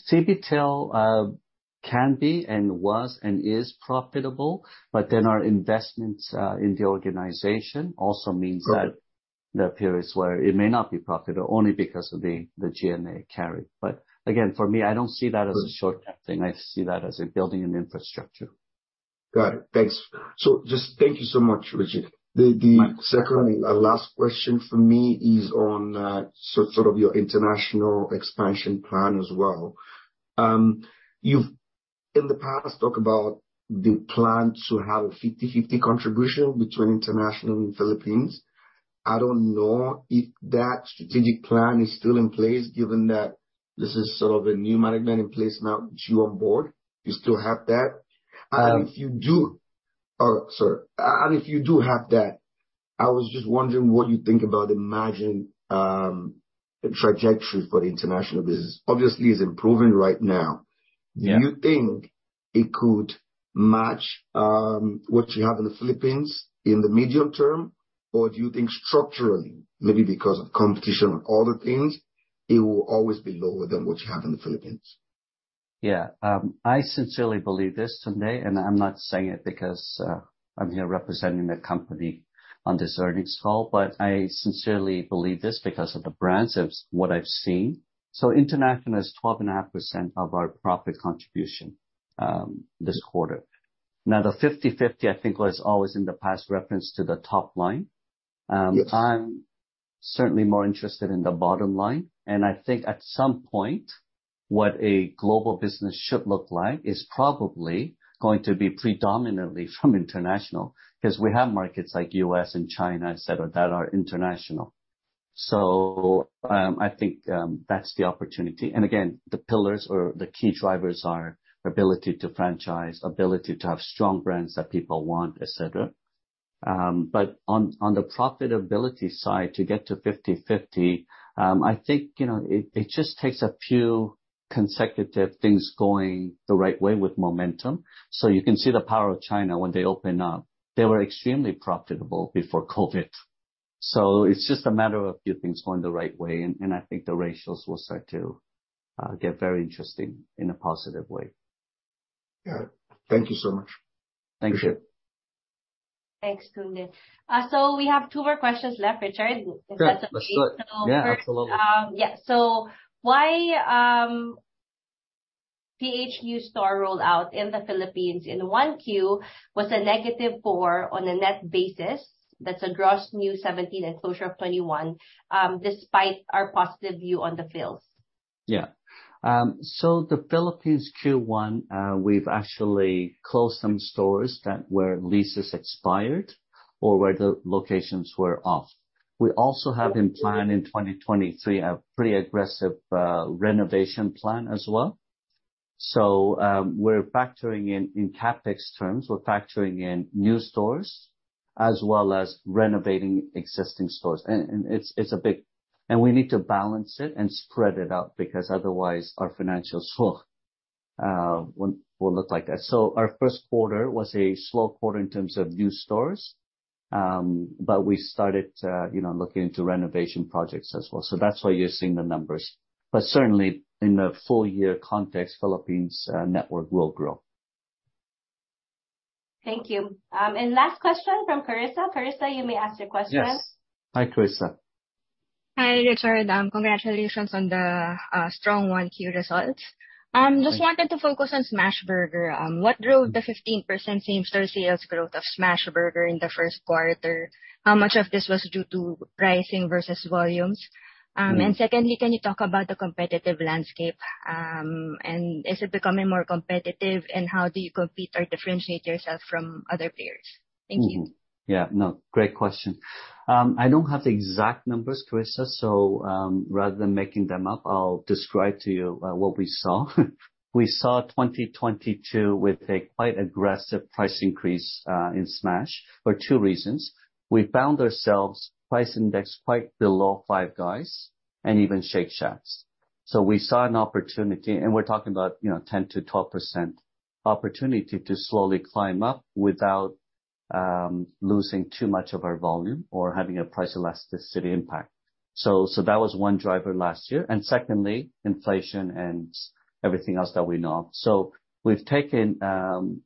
CBTL can be and was and is profitable, but then our investments in the organization also means that. Got it. There are periods where it may not be profitable only because of the G&A carry. Again, for me, I don't see that as a short-term thing. I see that as in building an infrastructure. Got it. Thanks. Just thank you so much, Richard. The second and last question for me is on sort of your international expansion plan as well. You've in the past talked about the plan to have a 50/50 contribution between international and Philippines. I don't know if that strategic plan is still in place, given that this is sort of a new management in place now with you on board. Do you still have that? Um- If you do have that, I was just wondering what you think about imagined trajectory for the international business. Obviously, it's improving right now. Yeah. Do you think it could match, what you have in the Philippines in the medium term? Do you think structurally, maybe because of competition and other things, it will always be lower than what you have in the Philippines? Yeah. I sincerely believe this, Tunde, and I'm not saying it because, I'm here representing the company on this earnings call, but I sincerely believe this because of the brands, of what I've seen. International is 12 and a half % of our profit contribution, this quarter. Now, the 50/50, I think, was always in the past reference to the top line. Yes. I'm certainly more interested in the bottom line, and I think at some point, what a global business should look like is probably going to be predominantly from international 'cause we have markets like U.S. and China, et cetera, that are international. I think that's the opportunity. Again, the pillars or the key drivers are ability to franchise, ability to have strong brands that people want, et cetera. But on the profitability side, to get to 50/50, I think, you know, it just takes a few consecutive things going the right way with momentum. You can see the power of China when they open up. They were extremely profitable before COVID. It's just a matter of a few things going the right way, and I think the ratios will start to get very interesting in a positive way. Got it. Thank you so much. Thank you. Thanks, Tunde. We have two more questions left, Richard. Great. Let's do it. So first- Yeah, absolutely. Yeah. Why, PH store rollout in the Philippines in 1Q was a -4 on a net basis? That's a gross new 17 and closure of 21, despite our positive view on the Philippines. The Philippines Q1, we've actually closed some stores that where leases expired or where the locations were off. We also have in plan in 2023 a pretty aggressive renovation plan as well. We're factoring in CapEx terms, we're factoring in new stores as well as renovating existing stores. It's a big. We need to balance it and spread it out, because otherwise our financials will look like that. Our first quarter was a slow quarter in terms of new stores, but we started, you know, looking into renovation projects as well. That's why you're seeing the numbers. Certainly, in the full year context, Philippines, network will grow. Thank you. Last question from Karisa. Karisa, you may ask your question. Yes. Hi, Karisa. Hi, Richard. Congratulations on the strong 1Q results. Just wanted to focus on Smashburger. What drove the 15% Same store sales growth of Smashburger in the first quarter? How much of this was due to pricing versus volumes? Secondly, can you talk about the competitive landscape, and is it becoming more competitive, and how do you compete or differentiate yourself from other players? Thank you. Mm-hmm. Yeah, no, great question. I don't have the exact numbers, Karisa Magpayo, so, rather than making them up, I'll describe to you what we saw. We saw 2022 with a quite aggressive price increase in Smashburger for two reasons. We found ourselves price indexed quite below Five Guys and even Shake Shack. We saw an opportunity, and we're talking about, you know, 10%-12% opportunity to slowly climb up without losing too much of our volume or having a price elasticity impact. That was one driver last year. Secondly, inflation and everything else that we know of. We've taken,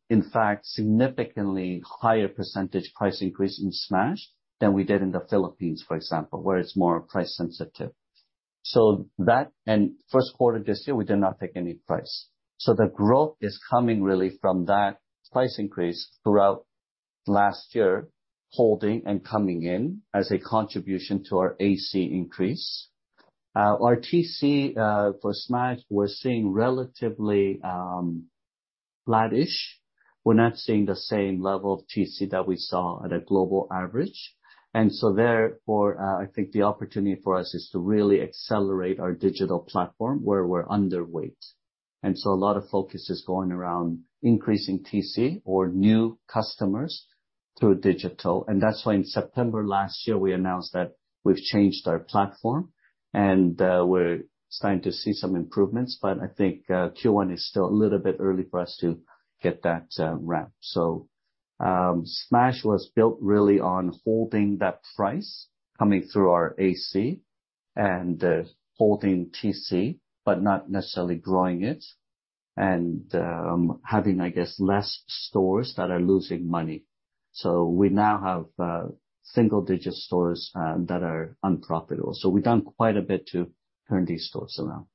in fact, significantly higher percentage price increase in Smashburger than we did in the Philippines, for example, where it's more price sensitive. That and first quarter this year, we did not take any price. The growth is coming really from that price increase throughout last year, holding and coming in as a contribution to our AC increase. Our TC for Smash, we're seeing relatively flattish. We're not seeing the same level of TC that we saw at a global average. Therefore, I think the opportunity for us is to really accelerate our digital platform where we're underweight. A lot of focus is going around increasing TC or new customers through digital. That's why in September last year, we announced that we've changed our platform and we're starting to see some improvements. I think Q1 is still a little bit early for us to get that ramp. Smash was built really on holding that price coming through our AC and holding TC, but not necessarily growing it and having, I guess, less stores that are losing money. We now have single-digit stores that are unprofitable. We've done quite a bit to turn these stores around.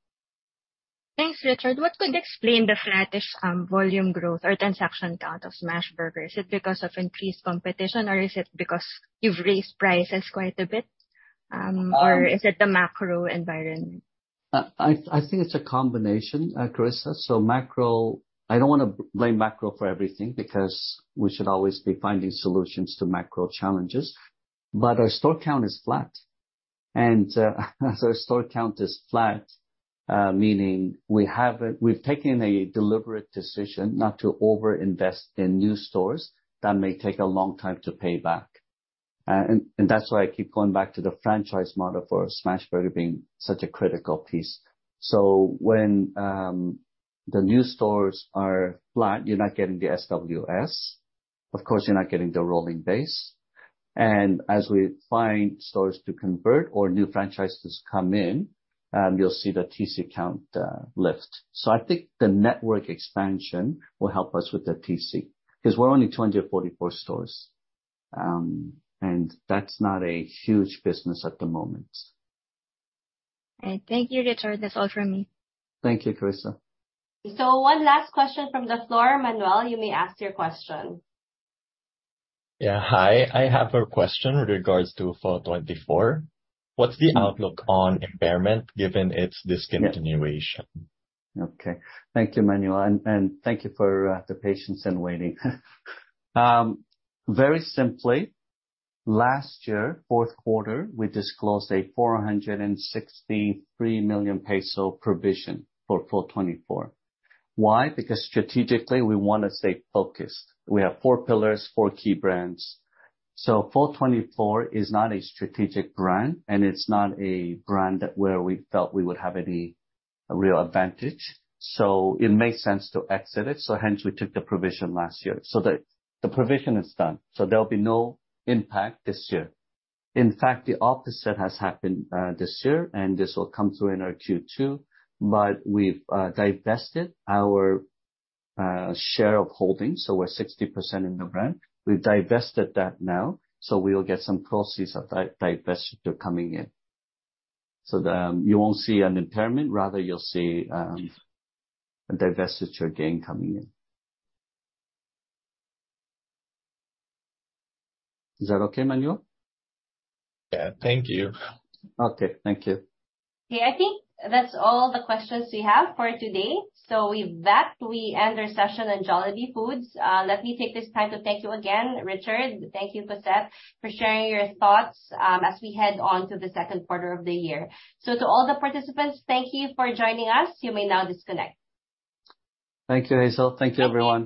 Thanks, Richard. What could explain the flattish, volume growth or transaction count of Smashburger? Is it because of increased competition or is it because you've raised prices quite a bit, or is it the macro environment? I think it's a combination, Karisa. Macro... I don't wanna blame macro for everything because we should always be finding solutions to macro challenges, but our store count is flat. Store count is flat, meaning we've taken a deliberate decision not to overinvest in new stores that may take a long time to pay back. That's why I keep going back to the franchise model for Smashburger being such a critical piece. When the new stores are flat, you're not getting the SWS. Of course, you're not getting the rolling base. As we find stores to convert or new franchises come in, you'll see the TC count lift. I think the network expansion will help us with the TC, because we're only 244 stores, and that's not a huge business at the moment. All right. Thank you, Richard. That's all from me. Thank you, Karisa. One last question from the floor. Manuel, you may ask your question. Yeah. Hi. I have a question with regards to PHO24. What's the outlook on impairment given its discontinuation? Okay. Thank you, Manuel. Thank you for the patience in waiting. Very simply, last year, fourth quarter, we disclosed a 463 million peso provision for PHO24. Why? Because strategically, we wanna stay focused. We have four pillars, four key brands. PHO24 is not a strategic brand, and it's not a brand that where we felt we would have any real advantage, so it makes sense to exit it. Hence we took the provision last year. The provision is done, so there'll be no impact this year. In fact, the opposite has happened this year, and this will come through in our Q2, but we've divested our share of holdings, so we're 60% in the brand. We've divested that now, so we'll get some proceeds of that divestiture coming in. You won't see an impairment, rather you'll see a divestiture gain coming in. Is that okay, Manuel? Yeah. Thank you. Okay. Thank you. Okay. I think that's all the questions we have for today. With that, we end our session on Jollibee Foods. Let me take this time to thank you again, Richard. Thank you, Cossette, for sharing your thoughts, as we head on to the second quarter of the year. To all the participants, thank you for joining us. You may now disconnect. Thank you, Hazel. Thank you, everyone.